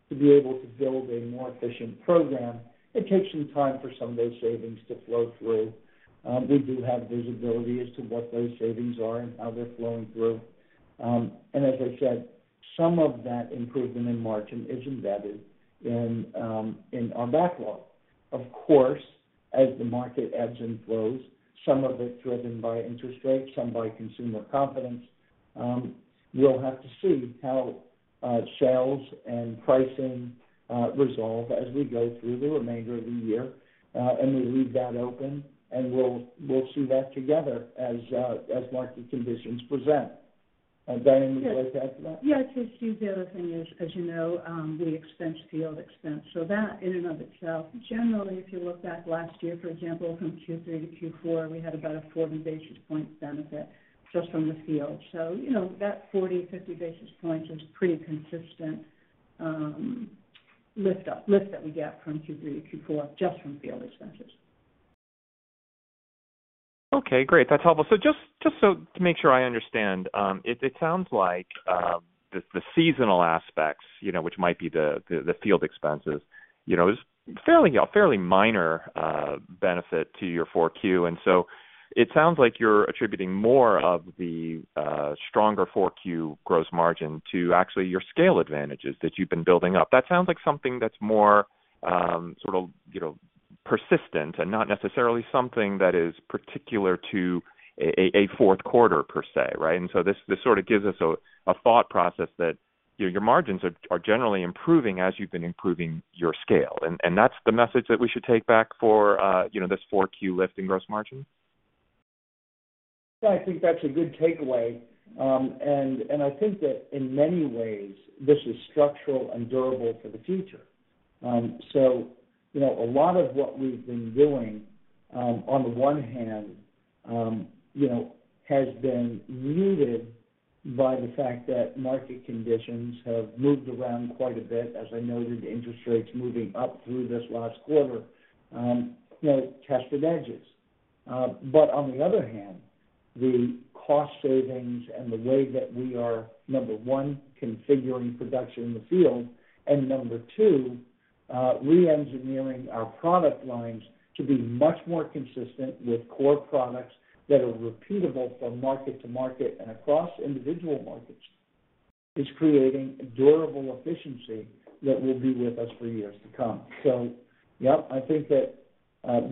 to be able to build a more efficient program. It takes some time for some of those savings to flow through. We do have visibility as to what those savings are and how they're flowing through. And as I said, some of that improvement in margin is embedded in our backlog. Of course, as the market ebbs and flows, some of it's driven by interest rates, some by consumer confidence. We'll have to see how sales and pricing resolve as we go through the remainder of the year, and we leave that open, and we'll see that together as market conditions present. Diane, would you like to add to that? Yeah, I'd say, Steve, the other thing is, as you know, we expense field expense. So that in and of itself, generally, if you look back last year, for example, from Q3 to Q4, we had about a 40 basis points benefit just from the field. So, you know, that 40, 50 basis points is pretty consistent, lift that we get from Q3 to Q4, just from field expenses. Okay, great. That's helpful. So just so to make sure I understand, it sounds like the seasonal aspects, you know, which might be the field expenses, you know, is fairly a fairly minor benefit to your 4Q. And so it sounds like you're attributing more of the stronger 4Q gross margin to actually your scale advantages that you've been building up. That sounds like something that's more sort of, you know, persistent and not necessarily something that is particular to a fourth quarter per se, right? And so this sort of gives us a thought process that your margins are generally improving as you've been improving your scale. And that's the message that we should take back for you know, this 4Q lift in gross margin?... I think that's a good takeaway. And I think that in many ways, this is structural and durable for the future. So, you know, a lot of what we've been doing, on the one hand, you know, has been rooted by the fact that market conditions have moved around quite a bit. As I noted, interest rates moving up through this last quarter, you know, tested edges. But on the other hand, the cost savings and the way that we are, number one, configuring production in the field, and number two, reengineering our product lines to be much more consistent with core products that are repeatable from market to market and across individual markets, is creating a durable efficiency that will be with us for years to come. So yep, I think that,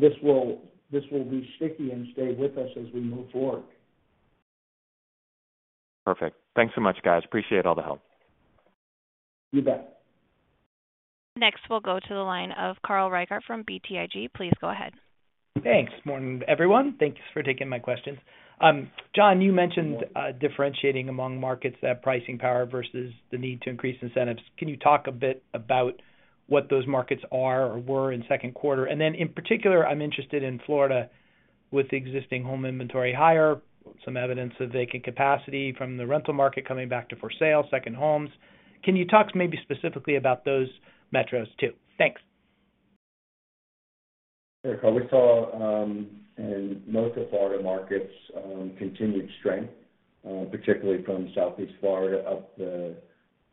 this will, this will be sticky and stay with us as we move forward. Perfect. Thanks so much, guys. Appreciate all the help. You bet. Next, we'll go to the line of Carl Reichardt from BTIG. Please go ahead. Thanks. Morning, everyone. Thank you for taking my questions. Jon, you mentioned differentiating among markets, that pricing power versus the need to increase incentives. Can you talk a bit about what those markets are or were in second quarter? And then, in particular, I'm interested in Florida, with the existing home inventory higher, some evidence of vacant capacity from the rental market coming back to for sale, second homes. Can you talk maybe specifically about those metros, too? Thanks. Sure. We saw in most of Florida markets continued strength, particularly from Southeast Florida up the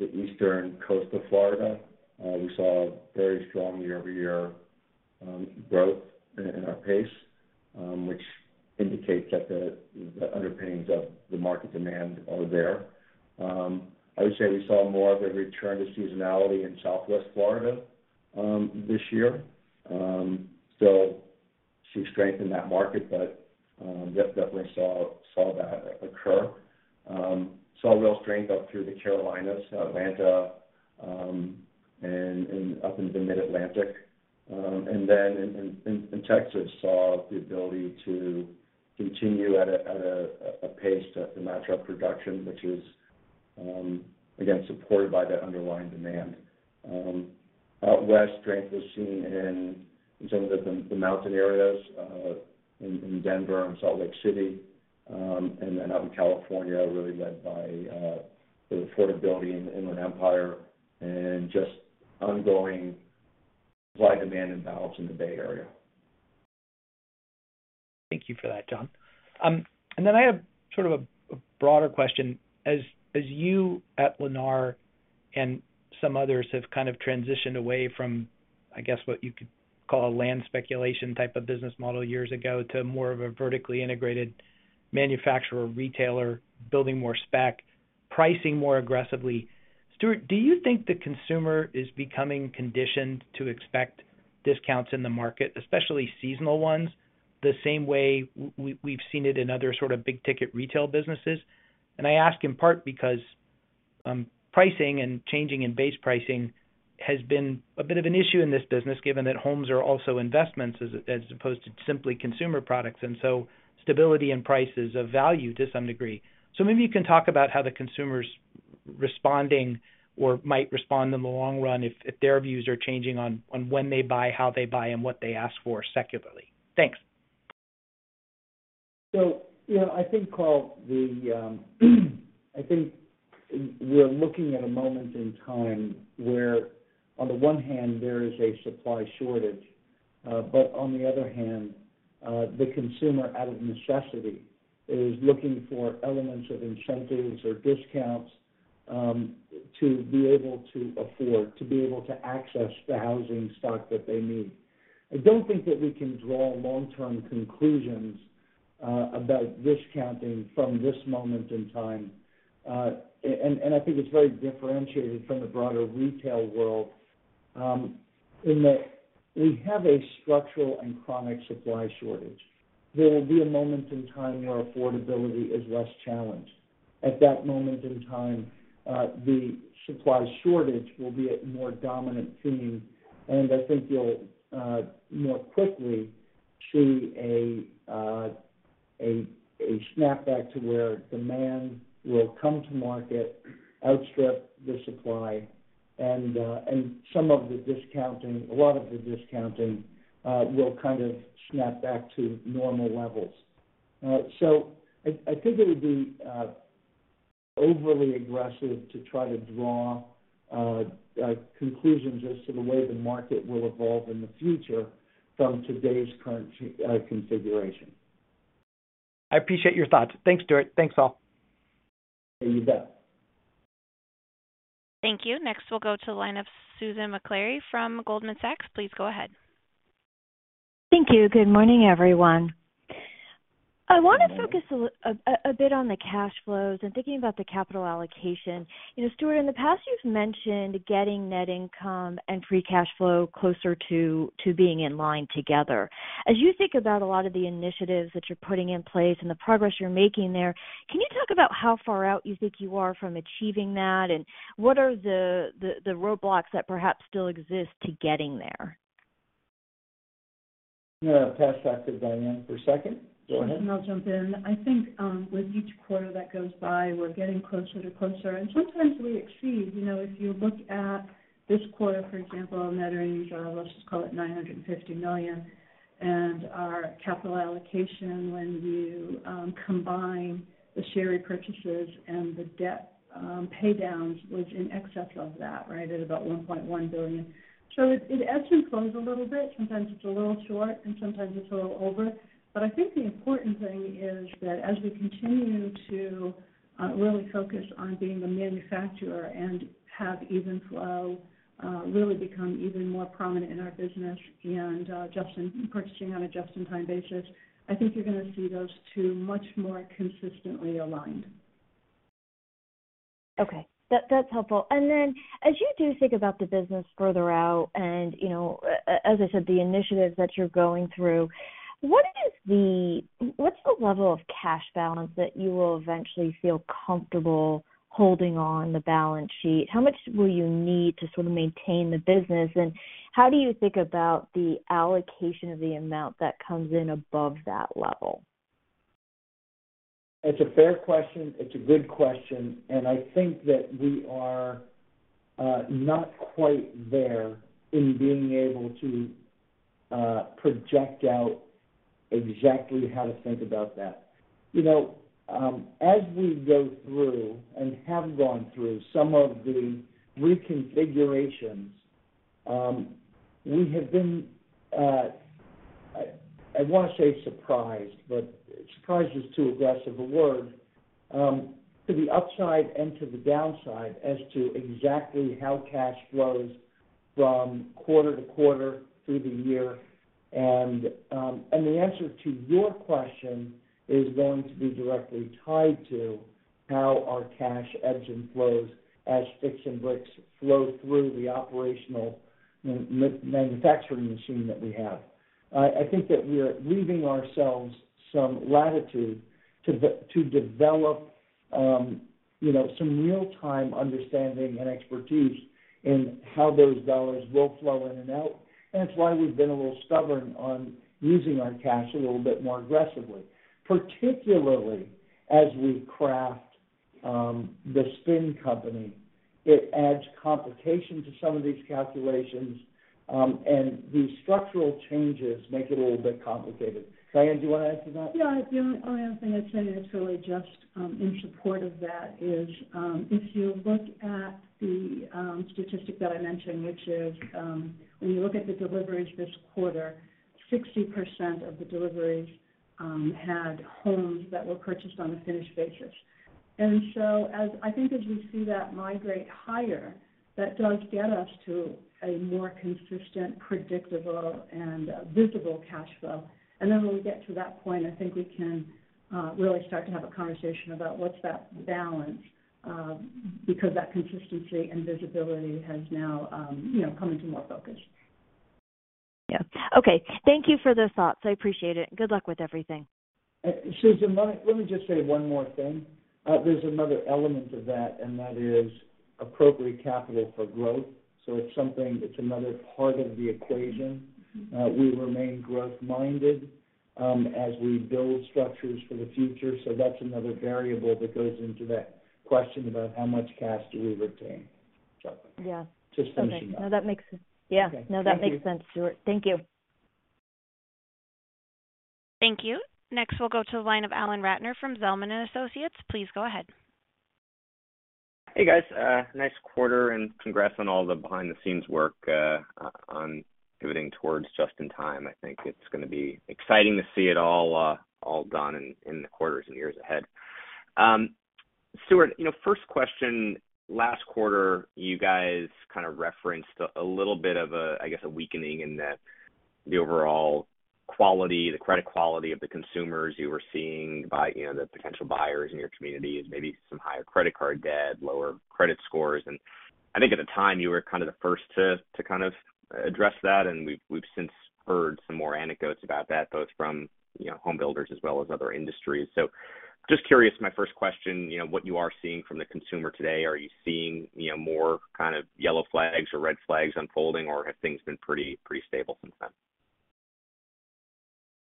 eastern coast of Florida. We saw very strong year-over-year growth in our pace, which indicates that the underpinnings of the market demand are there. I would say we saw more of a return to seasonality in Southwest Florida this year. So see strength in that market, but yep, definitely saw that occur. Saw real strength up through the Carolinas, Atlanta, and up into the Mid-Atlantic. And then in Texas, saw the ability to continue at a pace to match up production, which is again supported by the underlying demand. Out west, strength was seen in some of the mountain areas in Denver and Salt Lake City, and then out in California, really led by the affordability in Inland Empire and just ongoing supply-demand imbalance in the Bay Area. Thank you for that, Jon. And then I have sort of a broader question. As you at Lennar and some others have kind of transitioned away from, I guess, what you could call a land speculation type of business model years ago, to more of a vertically integrated manufacturer, retailer, building more spec, pricing more aggressively. Stuart, do you think the consumer is becoming conditioned to expect discounts in the market, especially seasonal ones, the same way we've seen it in other sort of big-ticket retail businesses? And I ask in part because pricing and changing in base pricing has been a bit of an issue in this business, given that homes are also investments as opposed to simply consumer products, and so stability in price is of value to some degree. Maybe you can talk about how the consumer's responding or might respond in the long run if, if their views are changing on, on when they buy, how they buy, and what they ask for secularly. Thanks. So, you know, I think, Carl, I think we're looking at a moment in time where on the one hand, there is a supply shortage, but on the other hand, the consumer, out of necessity, is looking for elements of incentives or discounts, to be able to afford, to be able to access the housing stock that they need. I don't think that we can draw long-term conclusions about discounting from this moment in time. And I think it's very differentiated from the broader retail world, in that we have a structural and chronic supply shortage. There will be a moment in time where affordability is less challenged. At that moment in time, the supply shortage will be a more dominant theme, and I think you'll more quickly see a snapback to where demand will come to market, outstrip the supply, and some of the discounting, a lot of the discounting, will kind of snap back to normal levels. So I think it would be overly aggressive to try to draw conclusions as to the way the market will evolve in the future from today's current configuration. I appreciate your thoughts. Thanks, Stuart. Thanks, all. You bet. Thank you. Next, we'll go to the line of Susan Maklari from Goldman Sachs. Please go ahead. Thank you. Good morning, everyone. I want to focus a bit on the cash flows and thinking about the capital allocation. You know, Stuart, in the past, you've mentioned getting net income and free cash flow closer to being in line together. As you think about a lot of the initiatives that you're putting in place and the progress you're making there, can you talk about how far out you think you are from achieving that, and what are the roadblocks that perhaps still exist to getting there?... I'm going to pass back to Diane for a second. Go ahead. I'll jump in. I think, with each quarter that goes by, we're getting closer to closer, and sometimes we exceed. You know, if you look at this quarter, for example, net earnings are, let's just call it $950 million, and our capital allocation when you combine the share repurchases and the debt pay downs was in excess of that, right, at about $1.1 billion. So it, it ebbs and flows a little bit. Sometimes it's a little short, and sometimes it's a little over. But I think the important thing is that as we continue to really focus on being the manufacturer and have even flow really become even more prominent in our business and just in purchasing on a just-in-time basis, I think you're going to see those two much more consistently aligned. Okay, that's helpful. And then as you do think about the business further out, and, you know, as I said, the initiatives that you're going through, what's the level of cash balance that you will eventually feel comfortable holding on the balance sheet? How much will you need to sort of maintain the business? And how do you think about the allocation of the amount that comes in above that level? It's a fair question. It's a good question, and I think that we are not quite there in being able to project out exactly how to think about that. You know, as we go through and have gone through some of the reconfigurations, we have been, I want to say surprised, but surprised is too aggressive a word, to the upside and to the downside as to exactly how cash flows from quarter-to-quarter through the year. And the answer to your question is going to be directly tied to how our cash ebbs and flows as bricks and bricks flow through the operational manufacturing machine that we have. I think that we're leaving ourselves some latitude to develop, you know, some real-time understanding and expertise in how those dollars will flow in and out. And it's why we've been a little stubborn on using our cash a little bit more aggressively, particularly as we craft the spin company. It adds complication to some of these calculations, and the structural changes make it a little bit complicated. Diane, do you want to add to that? Yeah, the only other thing I'd say is really just in support of that is, if you look at the statistic that I mentioned, which is, when you look at the deliveries this quarter, 60% of the deliveries had homes that were purchased on a finished basis. And so I think as we see that migrate higher, that does get us to a more consistent, predictable, and visible cash flow. And then when we get to that point, I think we can really start to have a conversation about what's that balance, because that consistency and visibility has now, you know, come into more focus. Yeah. Okay, thank you for those thoughts. I appreciate it. Good luck with everything. Susan, let me just say one more thing. There's another element to that, and that is appropriate capital for growth. So it's something that's another part of the equation. We remain growth-minded, as we build structures for the future. So that's another variable that goes into that question about how much cash do we retain. So- Yeah. Just finishing up. No, that makes- Okay. Yeah. No, that makes sense, Stuart. Thank you. Thank you. Next, we'll go to the line of Alan Ratner from Zelman & Associates. Please go ahead. Hey, guys. Nice quarter, and congrats on all the behind-the-scenes work on pivoting towards just in time. I think it's going to be exciting to see it all done in the quarters and years ahead. Stuart, you know, first question, last quarter, you guys kind of referenced a little bit of a, I guess, a weakening in the overall quality, the credit quality of the consumers you were seeing by, you know, the potential buyers in your communities, maybe some higher credit card debt, lower credit scores. And I think at the time, you were kind of the first to kind of address that, and we've since heard some more anecdotes about that, both from, you know, home builders as well as other industries. So just curious, my first question, you know, what you are seeing from the consumer today. Are you seeing, you know, more kind of yellow flags or red flags unfolding, or have things been pretty, pretty stable since then?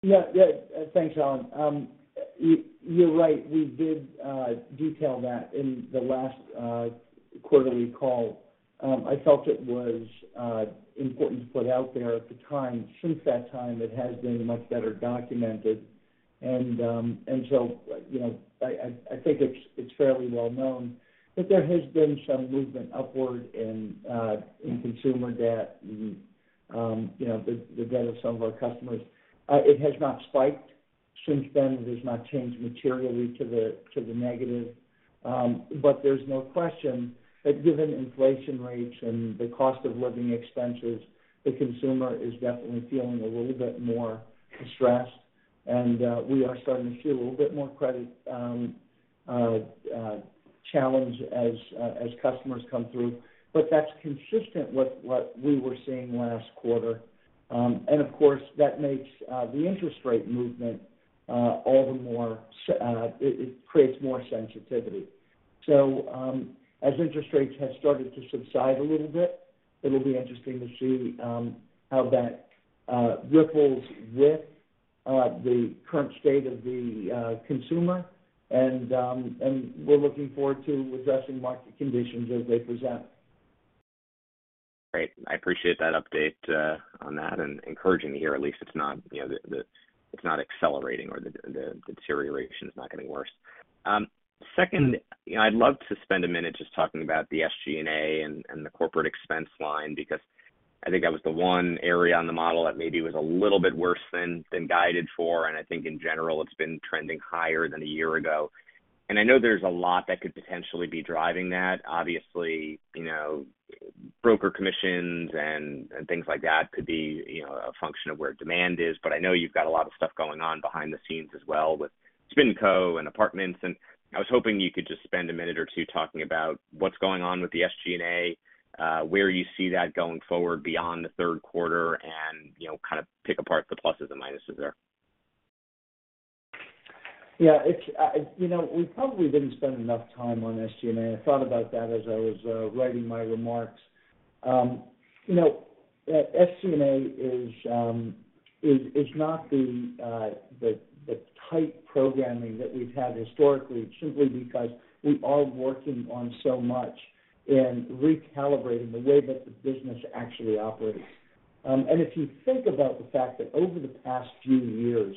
Yeah, yeah. Thanks, Alan. You're right. We did detail that in the last quarterly call. I felt it was important to put out there at the time. Since that time, it has been much better documented. And so, you know, I think it's fairly well known that there has been some movement upward in consumer debt and, you know, the debt of some of our customers. It has not spiked since then. It has not changed materially to the negative. But there's no question that given inflation rates and the cost of living expenses, the consumer is definitely feeling a little bit more stressed, and we are starting to see a little bit more credit challenge as customers come through. But that's consistent with what we were seeing last quarter. And of course, that makes the interest rate movement all the more, it creates more sensitivity.... So, as interest rates have started to subside a little bit, it'll be interesting to see how that ripples with the current state of the consumer. And we're looking forward to addressing market conditions as they present. Great. I appreciate that update on that, and encouraging to hear at least it's not, you know, the, the- it's not accelerating or the, the deterioration is not getting worse. Second, you know, I'd love to spend a minute just talking about the SG&A and the corporate expense line, because I think that was the one area on the model that maybe was a little bit worse than guided for, and I think in general, it's been trending higher than a year ago. And I know there's a lot that could potentially be driving that. Obviously, you know, broker commissions and things like that could be, you know, a function of where demand is. But I know you've got a lot of stuff going on behind the scenes as well with SpinCo and apartments, and I was hoping you could just spend a minute or two talking about what's going on with the SG&A, where you see that going forward beyond the third quarter, and, you know, kind of pick apart the pluses and minuses there. Yeah, it's, you know, we probably didn't spend enough time on SG&A. I thought about that as I was writing my remarks. You know, SG&A is not the tight programming that we've had historically, simply because we are working on so much and recalibrating the way that the business actually operates. And if you think about the fact that over the past few years,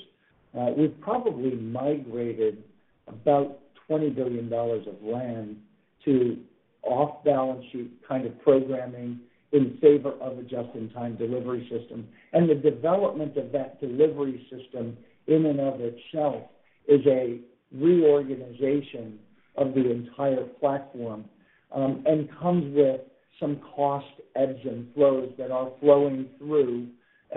we've probably migrated about $20 billion of land to off-balance sheet kind of programming in favor of a just-in-time delivery system. And the development of that delivery system, in and of itself, is a reorganization of the entire platform, and comes with some cost ebbs and flows that are flowing through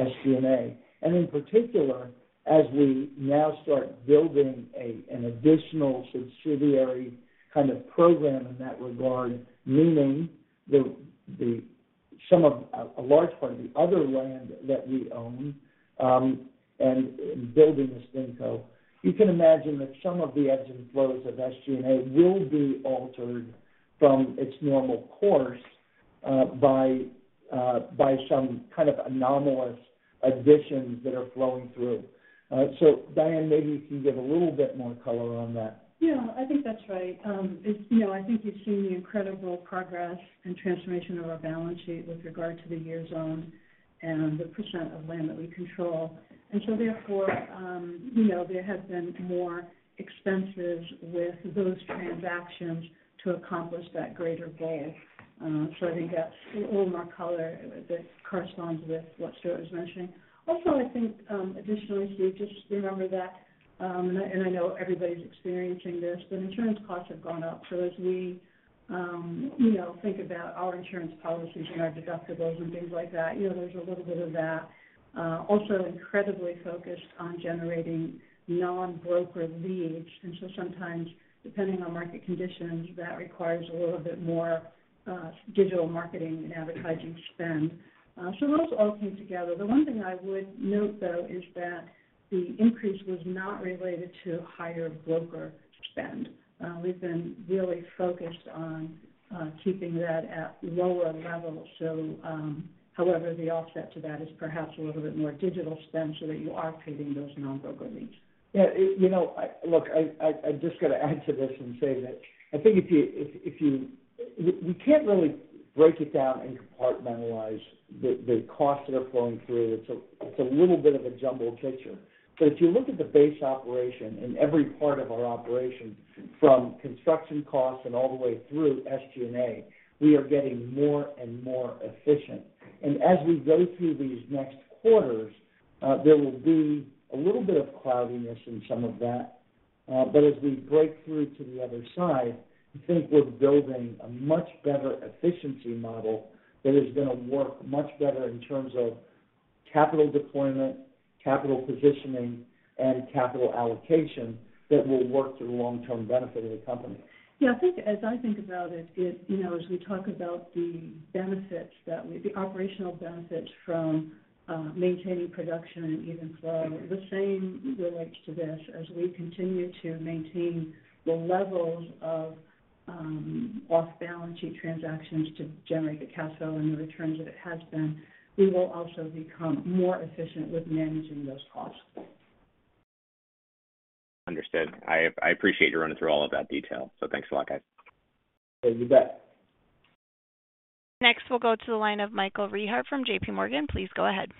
SG&A. And in particular, as we now start building an additional subsidiary kind of program in that regard, meaning some of a large part of the other land that we own, and building the SpinCo, you can imagine that some of the ebbs and flows of SG&A will be altered from its normal course, by some kind of anomalous additions that are flowing through. So Diane, maybe you can give a little bit more color on that. Yeah, I think that's right. It's, you know, I think you've seen the incredible progress and transformation of our balance sheet with regard to the years owned and the percent of land that we control. And so therefore, you know, there have been more expenses with those transactions to accomplish that greater goal. So I think that's a little more color that corresponds with what Stuart was mentioning. Also, I think, additionally, Steve, just remember that, and I know everybody's experiencing this, but insurance costs have gone up. So as we, you know, think about our insurance policies and our deductibles and things like that, you know, there's a little bit of that. Also incredibly focused on generating non-broker leads, and so sometimes, depending on market conditions, that requires a little bit more, digital marketing and advertising spend. So those all came together. The one thing I would note, though, is that the increase was not related to higher broker spend. We've been really focused on keeping that at lower levels. So, however, the offset to that is perhaps a little bit more digital spend so that you are getting those non-broker leads. Yeah, you know, look, I just got to add to this and say that I think if you, we can't really break it down and compartmentalize the costs that are flowing through. It's a little bit of a jumbled picture. But if you look at the base operation in every part of our operation, from construction costs and all the way through SG&A, we are getting more and more efficient. And as we go through these next quarters, there will be a little bit of cloudiness in some of that, but as we break through to the other side, I think we're building a much better efficiency model that is going to work much better in terms of capital deployment, capital positioning, and capital allocation that will work to the long-term benefit of the company. Yeah, I think as I think about it, you know, as we talk about the benefits that we—the operational benefits from maintaining production and even flow, the same relates to this. As we continue to maintain the levels of off-balance sheet transactions to generate the cash flow and the returns that it has been, we will also become more efficient with managing those costs. Understood. I appreciate you running through all of that detail. So thanks a lot, guys. You bet. Next, we'll go to the line of Michael Rehaut from J.P. Morgan. Please go ahead.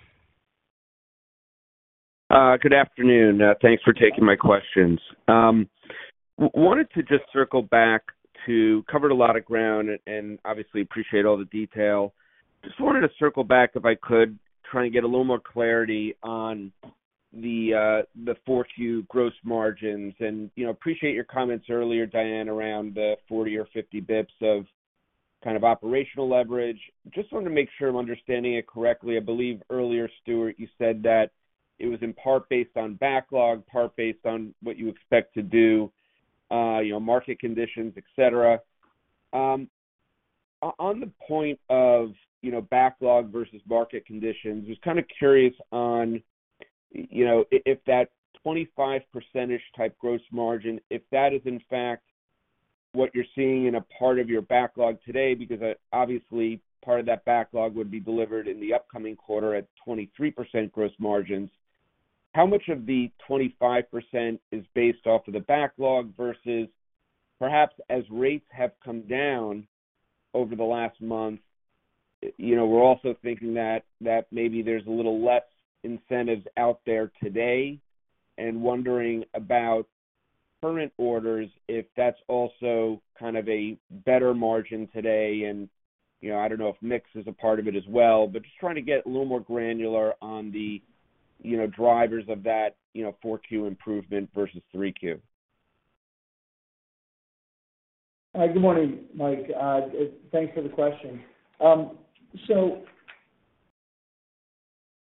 Good afternoon. Thanks for taking my questions. Wanted to just circle back to... Covered a lot of ground, and obviously, appreciate all the detail. Just wanted to circle back, if I could, try and get a little more clarity on the fourth Q gross margins. You know, appreciate your comments earlier, Diane, around the 40 or 50 basis points of kind of operational leverage. Just wanted to make sure I'm understanding it correctly. I believe earlier, Stuart, you said that it was in part based on backlog, part based on what you expect to do, you know, market conditions, et cetera. On the point of, you know, backlog versus market conditions, just kind of curious on, you know, if that 25% type gross margin, if that is in fact what you're seeing in a part of your backlog today, because, obviously, part of that backlog would be delivered in the upcoming quarter at 23% gross margins. How much of the 25% is based off of the backlog versus perhaps as rates have come down over the last month, you know, we're also thinking that, that maybe there's a little less incentives out there today, and wondering about current orders, if that's also kind of a better margin today. You know, I don't know if mix is a part of it as well, but just trying to get a little more granular on the, you know, drivers of that, you know, four Q improvement versus three Q. Good morning, Mike. Thanks for the question. So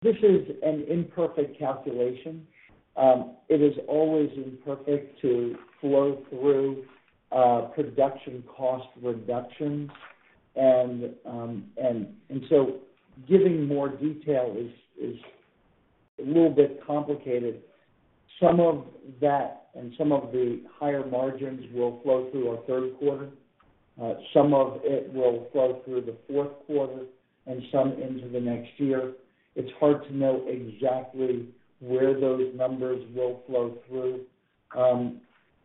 this is an imperfect calculation. It is always imperfect to flow through production cost reductions. And so giving more detail is a little bit complicated. Some of that and some of the higher margins will flow through our third quarter. Some of it will flow through the fourth quarter and some into the next year. It's hard to know exactly where those numbers will flow through.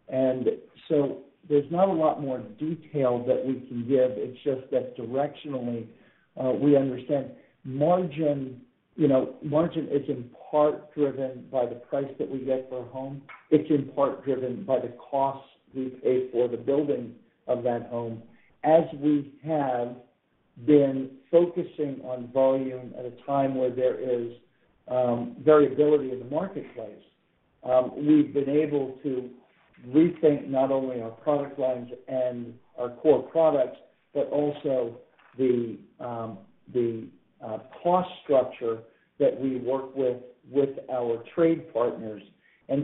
And so there's not a lot more detail that we can give. It's just that directionally, we understand margin, you know, margin is in part driven by the price that we get for a home. It's in part driven by the cost we pay for the building of that home. As we have been focusing on volume at a time where there is variability in the marketplace, we've been able to rethink not only our product lines and our core products, but also the cost structure that we work with, with our trade partners.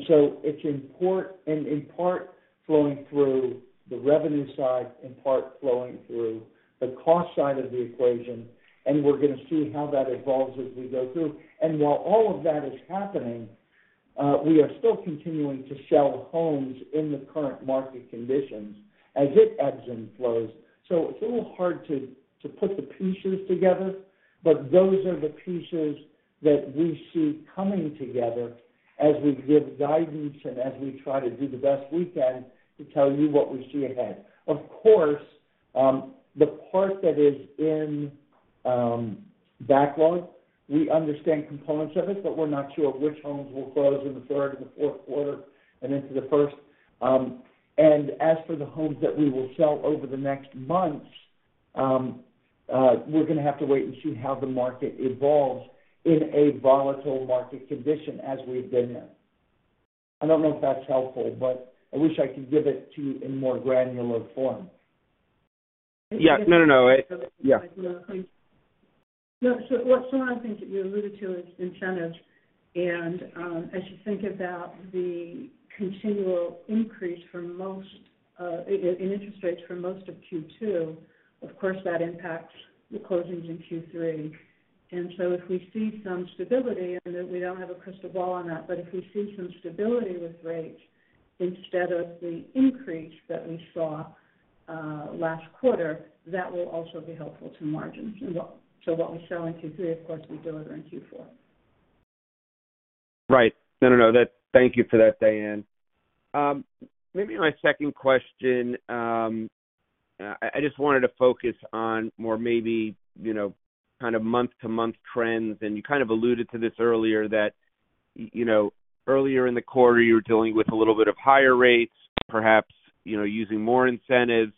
So it's important, in part, flowing through the revenue side, in part flowing through the cost side of the equation, and we're going to see how that evolves as we go through. While all of that is happening, we are still continuing to sell homes in the current market conditions as it ebbs and flows. So it's a little hard to put the pieces together, but those are the pieces that we see coming together as we give guidance and as we try to do the best we can to tell you what we see ahead. Of course, the part that is in backlog, we understand components of it, but we're not sure which homes will close in the third and the fourth quarter and into the first. And as for the homes that we will sell over the next months, we're going to have to wait and see how the market evolves in a volatile market condition as we've been in. I don't know if that's helpful, but I wish I could give it to you in more granular form. Yeah. No, no, no, I... Yeah. No, so what, so I think that you alluded to is incentives, and, as you think about the continual increase for most, in interest rates for most of Q2, of course, that impacts the closings in Q3. And so if we see some stability, and we don't have a crystal ball on that, but if we see some stability with rates instead of the increase that we saw, last quarter, that will also be helpful to margins as well. So what we sell in Q3, of course, we deliver in Q4. Right. No, no, no, that- thank you for that, Diane. Maybe my second question, I just wanted to focus on more maybe, you know, kind of month-to-month trends. And you kind of alluded to this earlier, that, you know, earlier in the quarter, you were dealing with a little bit of higher rates, perhaps, you know, using more incentives.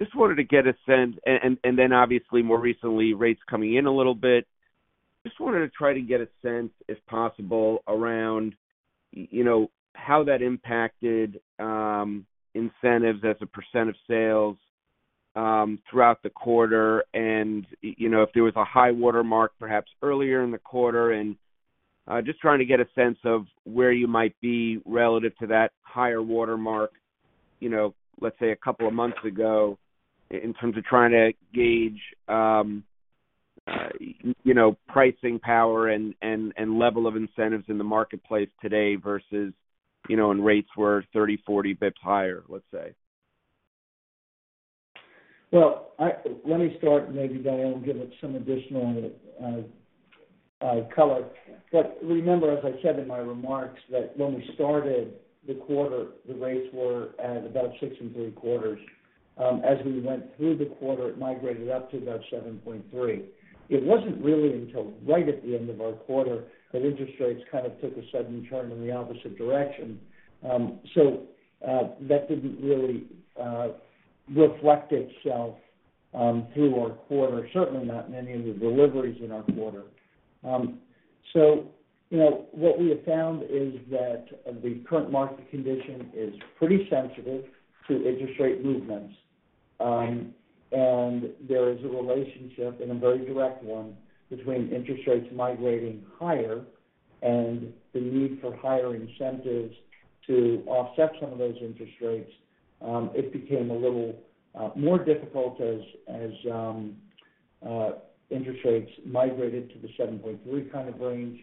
Just wanted to get a sense... And then obviously, more recently, rates coming in a little bit. Just wanted to try to get a sense, if possible, around, you know, how that impacted, incentives as a percent of sales, throughout the quarter. You know, if there was a high watermark perhaps earlier in the quarter, and just trying to get a sense of where you might be relative to that higher watermark, you know, let's say, a couple of months ago, in terms of trying to gauge, you know, pricing power and level of incentives in the marketplace today versus, you know, when rates were 30, 40 basis points higher, let's say. Well, let me start, and maybe Diane will give it some additional color. But remember, as I said in my remarks, that when we started the quarter, the rates were at about 6.75. As we went through the quarter, it migrated up to about 7.3. It wasn't really until right at the end of our quarter that interest rates kind of took a sudden turn in the opposite direction. So, that didn't really reflect itself through our quarter, certainly not in any of the deliveries in our quarter. So you know, what we have found is that the current market condition is pretty sensitive to interest rate movements. And there is a relationship, and a very direct one, between interest rates migrating higher-the need for higher incentives to offset some of those interest rates, it became a little more difficult as interest rates migrated to the 7.3 kind of range.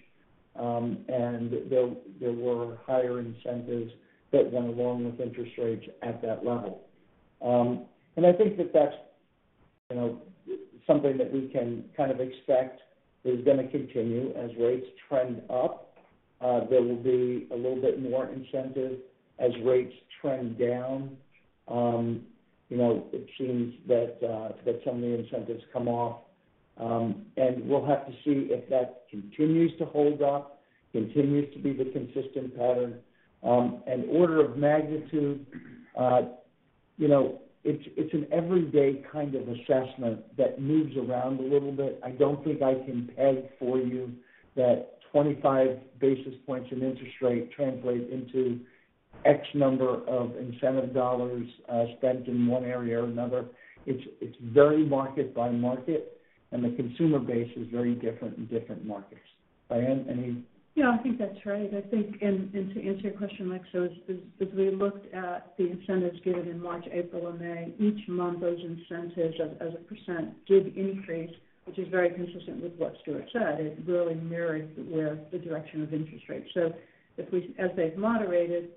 And there were higher incentives that went along with interest rates at that level. And I think that that's, you know, something that we can kind of expect is going to continue as rates trend up. There will be a little bit more incentive as rates trend down. You know, it seems that some of the incentives come off. And we'll have to see if that continues to hold up, continues to be the consistent pattern. Order of magnitude, you know, it's an everyday kind of assessment that moves around a little bit. I don't think I can peg for you that 25 basis points in interest rate translate into X number of incentive dollars, spent in one area or another. It's, it's very market by market, and the consumer base is very different in different markets. Diane, any- Yeah, I think that's right. I think to answer your question, Mike, so as we looked at the incentives given in March, April, and May, each month, those incentives as a % did increase, which is very consistent with what Stuart said. It really mirrored with the direction of interest rates. So as they've moderated,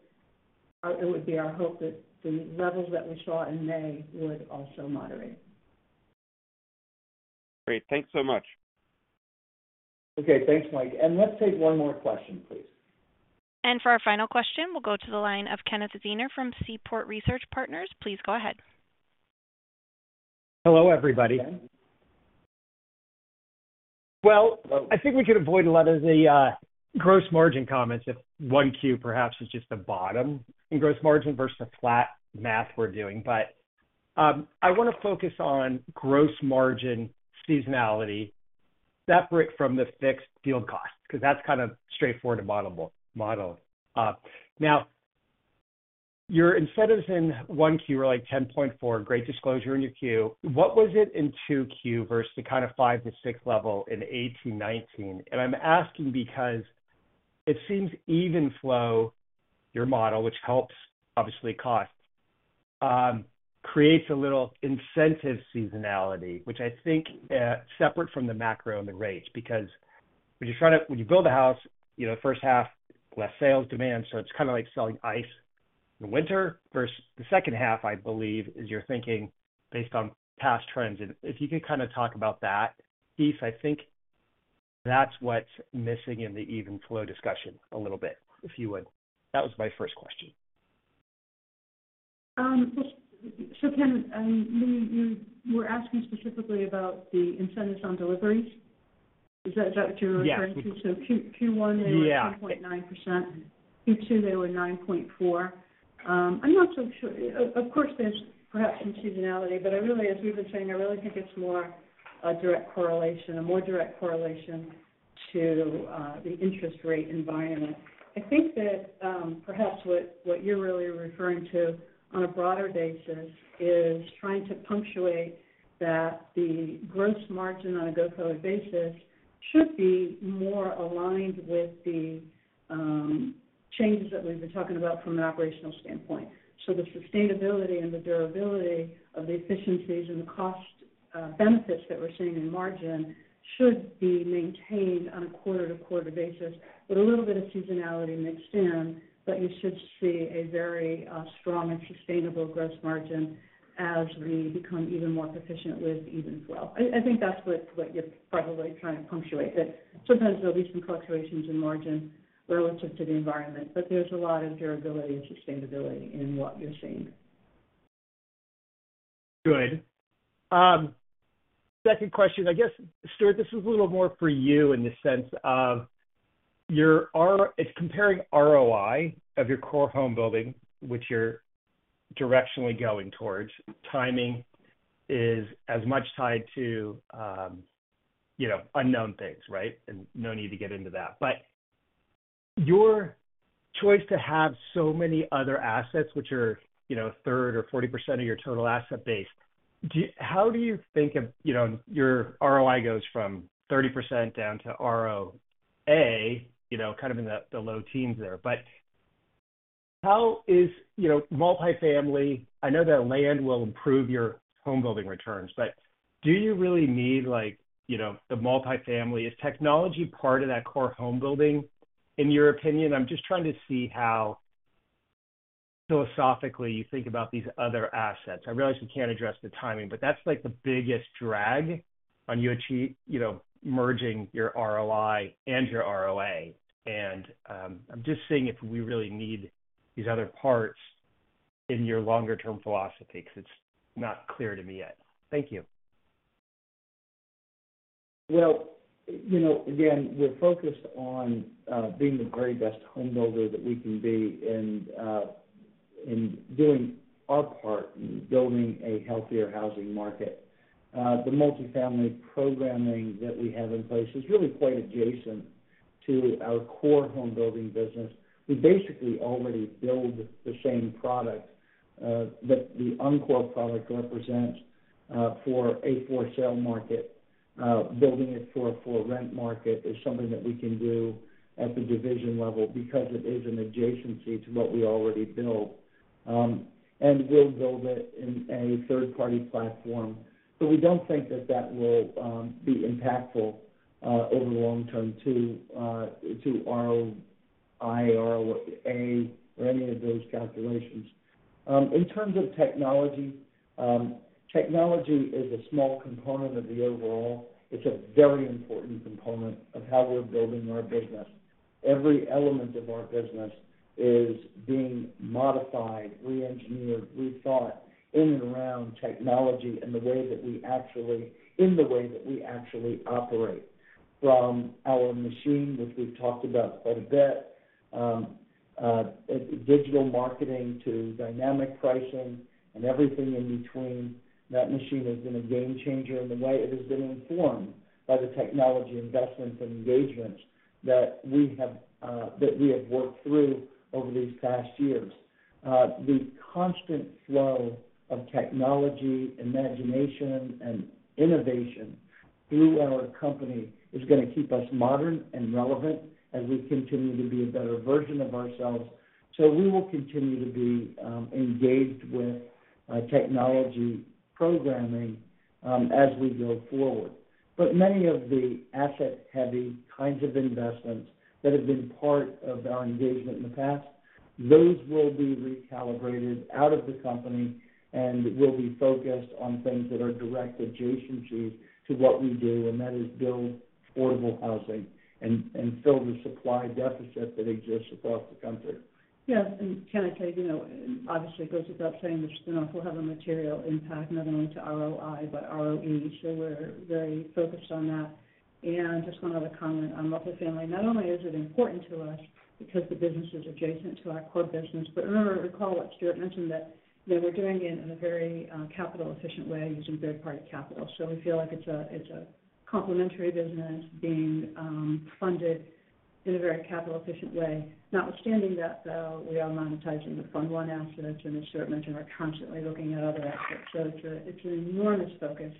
it would be our hope that the levels that we saw in May would also moderate. Great. Thanks so much. Okay, thanks, Mike. Let's take one more question, please. For our final question, we'll go to the line of Kenneth Zener from Seaport Research Partners. Please go ahead. Hello, everybody. Well, I think we could avoid a lot of the gross margin comments if 1Q perhaps is just a bottom in gross margin versus the flat math we're doing. But I want to focus on gross margin seasonality, separate from the fixed field costs, because that's kind of straightforward and modeled. Now, your incentives in 1Q were, like, 10.4. Great disclosure in your Q. What was it in 2Q versus the kind of five to six level in 2018-2019? And I'm asking because it seems even flow, your model, which helps obviously cost, creates a little incentive seasonality, which I think separate from the macro and the rates. Because when you build a house, you know, first half, less sales demand, so it's kind of like selling ice in winter. Versus the second half, I believe, is your thinking based on past trends? And if you could kind of talk about that, piece, I think that's what's missing in the even flow discussion a little bit, if you would. That was my first question. Ken, you were asking specifically about the incentives on deliveries? Is that what you're referring to? Yeah. So Q1, they were 10.9%. Q2, they were 9.4%. I'm not so sure. Of course, there's perhaps some seasonality, but I really, as we've been saying, I really think it's more a direct correlation, a more direct correlation to the interest rate environment. I think that perhaps what you're really referring to on a broader basis is trying to punctuate that the gross margin on a go-forward basis should be more aligned with the changes that we've been talking about from an operational standpoint. So the sustainability and the durability of the efficiencies and the cost benefits that we're seeing in margin should be maintained on a quarter-to-quarter basis with a little bit of seasonality mixed in, but you should see a very strong and sustainable gross margin as we become even more proficient with even flow. I think that's what you're probably trying to punctuate, that sometimes there'll be some fluctuations in margin relative to the environment, but there's a lot of durability and sustainability in what you're seeing. Good. Second question, I guess, Stuart, this is a little more for you in the sense of your ROI it's comparing ROI of your core home building, which you're directionally going towards. Timing is as much tied to, you know, unknown things, right? And no need to get into that. But your choice to have so many other assets, which are, you know, 30% or 40% of your total asset base, do you-- how do you think of, you know, your ROI goes from 30% down to ROA, you know, kind of in the, the low teens there. But how is, you know, multifamily... I know that land will improve your home building returns, but do you really need, like, you know, the multifamily? Is technology part of that core home building, in your opinion? I'm just trying to see how philosophically you think about these other assets. I realize you can't address the timing, but that's, like, the biggest drag on your ROIC, you know, merging your ROI and your ROA. And, I'm just seeing if we really need these other parts in your longer-term philosophy, because it's not clear to me yet. Thank you. Well, you know, again, we're focused on being the very best home builder that we can be and doing our part in building a healthier housing market. The multifamily programming that we have in place is really quite adjacent to our core home building business. We basically already build the same product that the core product represents for a for-sale market. Building it for a for-rent market is something that we can do at the division level because it is an adjacency to what we already build, and we'll build it in a third-party platform. So we don't think that will be impactful over the long term to ROI or ROA or any of those calculations. In terms of technology, technology is a small component of the overall. It's a very important component of how we're building our business. Every element of our business is being modified, reengineered, rethought in and around technology and the way that we actually operate. From our machine, which we've talked about quite a bit, digital marketing to dynamic pricing and everything in between, that machine has been a game changer in the way it has been informed by the technology investments and engagements that we have worked through over these past years. The constant flow of technology, imagination, and innovation through our company is gonna keep us modern and relevant as we continue to be a better version of ourselves. So we will continue to be engaged with technology programming as we go forward. But many of the asset-heavy kinds of investments that have been part of our engagement in the past, those will be recalibrated out of the company, and we'll be focused on things that are direct adjacency to what we do, and that is build affordable housing and fill the supply deficit that exists across the country. Yes, and can I tell you, you know, obviously, it goes without saying this, you know, will have a material impact, not only to ROI, but ROE, so we're very focused on that. And just one other comment on multifamily. Not only is it important to us because the business is adjacent to our core business, but remember, recall what Stuart mentioned, that, you know, we're doing it in a very, capital-efficient way using third-party capital. So we feel like it's a, it's a complementary business being, funded in a very capital-efficient way. Notwithstanding that, though, we are monetizing the Fund I assets, and as Stuart mentioned, are constantly looking at other assets. So it's a, it's an enormous focus,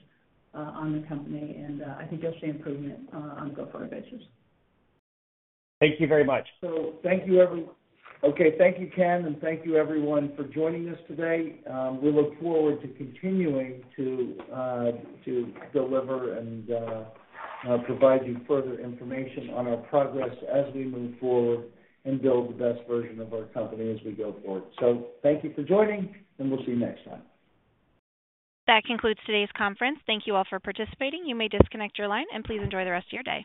on the company, and, I think you'll see improvement, on a go-forward basis. Thank you very much. So thank you, okay, thank you, Ken, and thank you, everyone, for joining us today. We look forward to continuing to deliver and provide you further information on our progress as we move forward and build the best version of our company as we go forward. So thank you for joining, and we'll see you next time. That concludes today's conference. Thank you all for participating. You may disconnect your line, and please enjoy the rest of your day.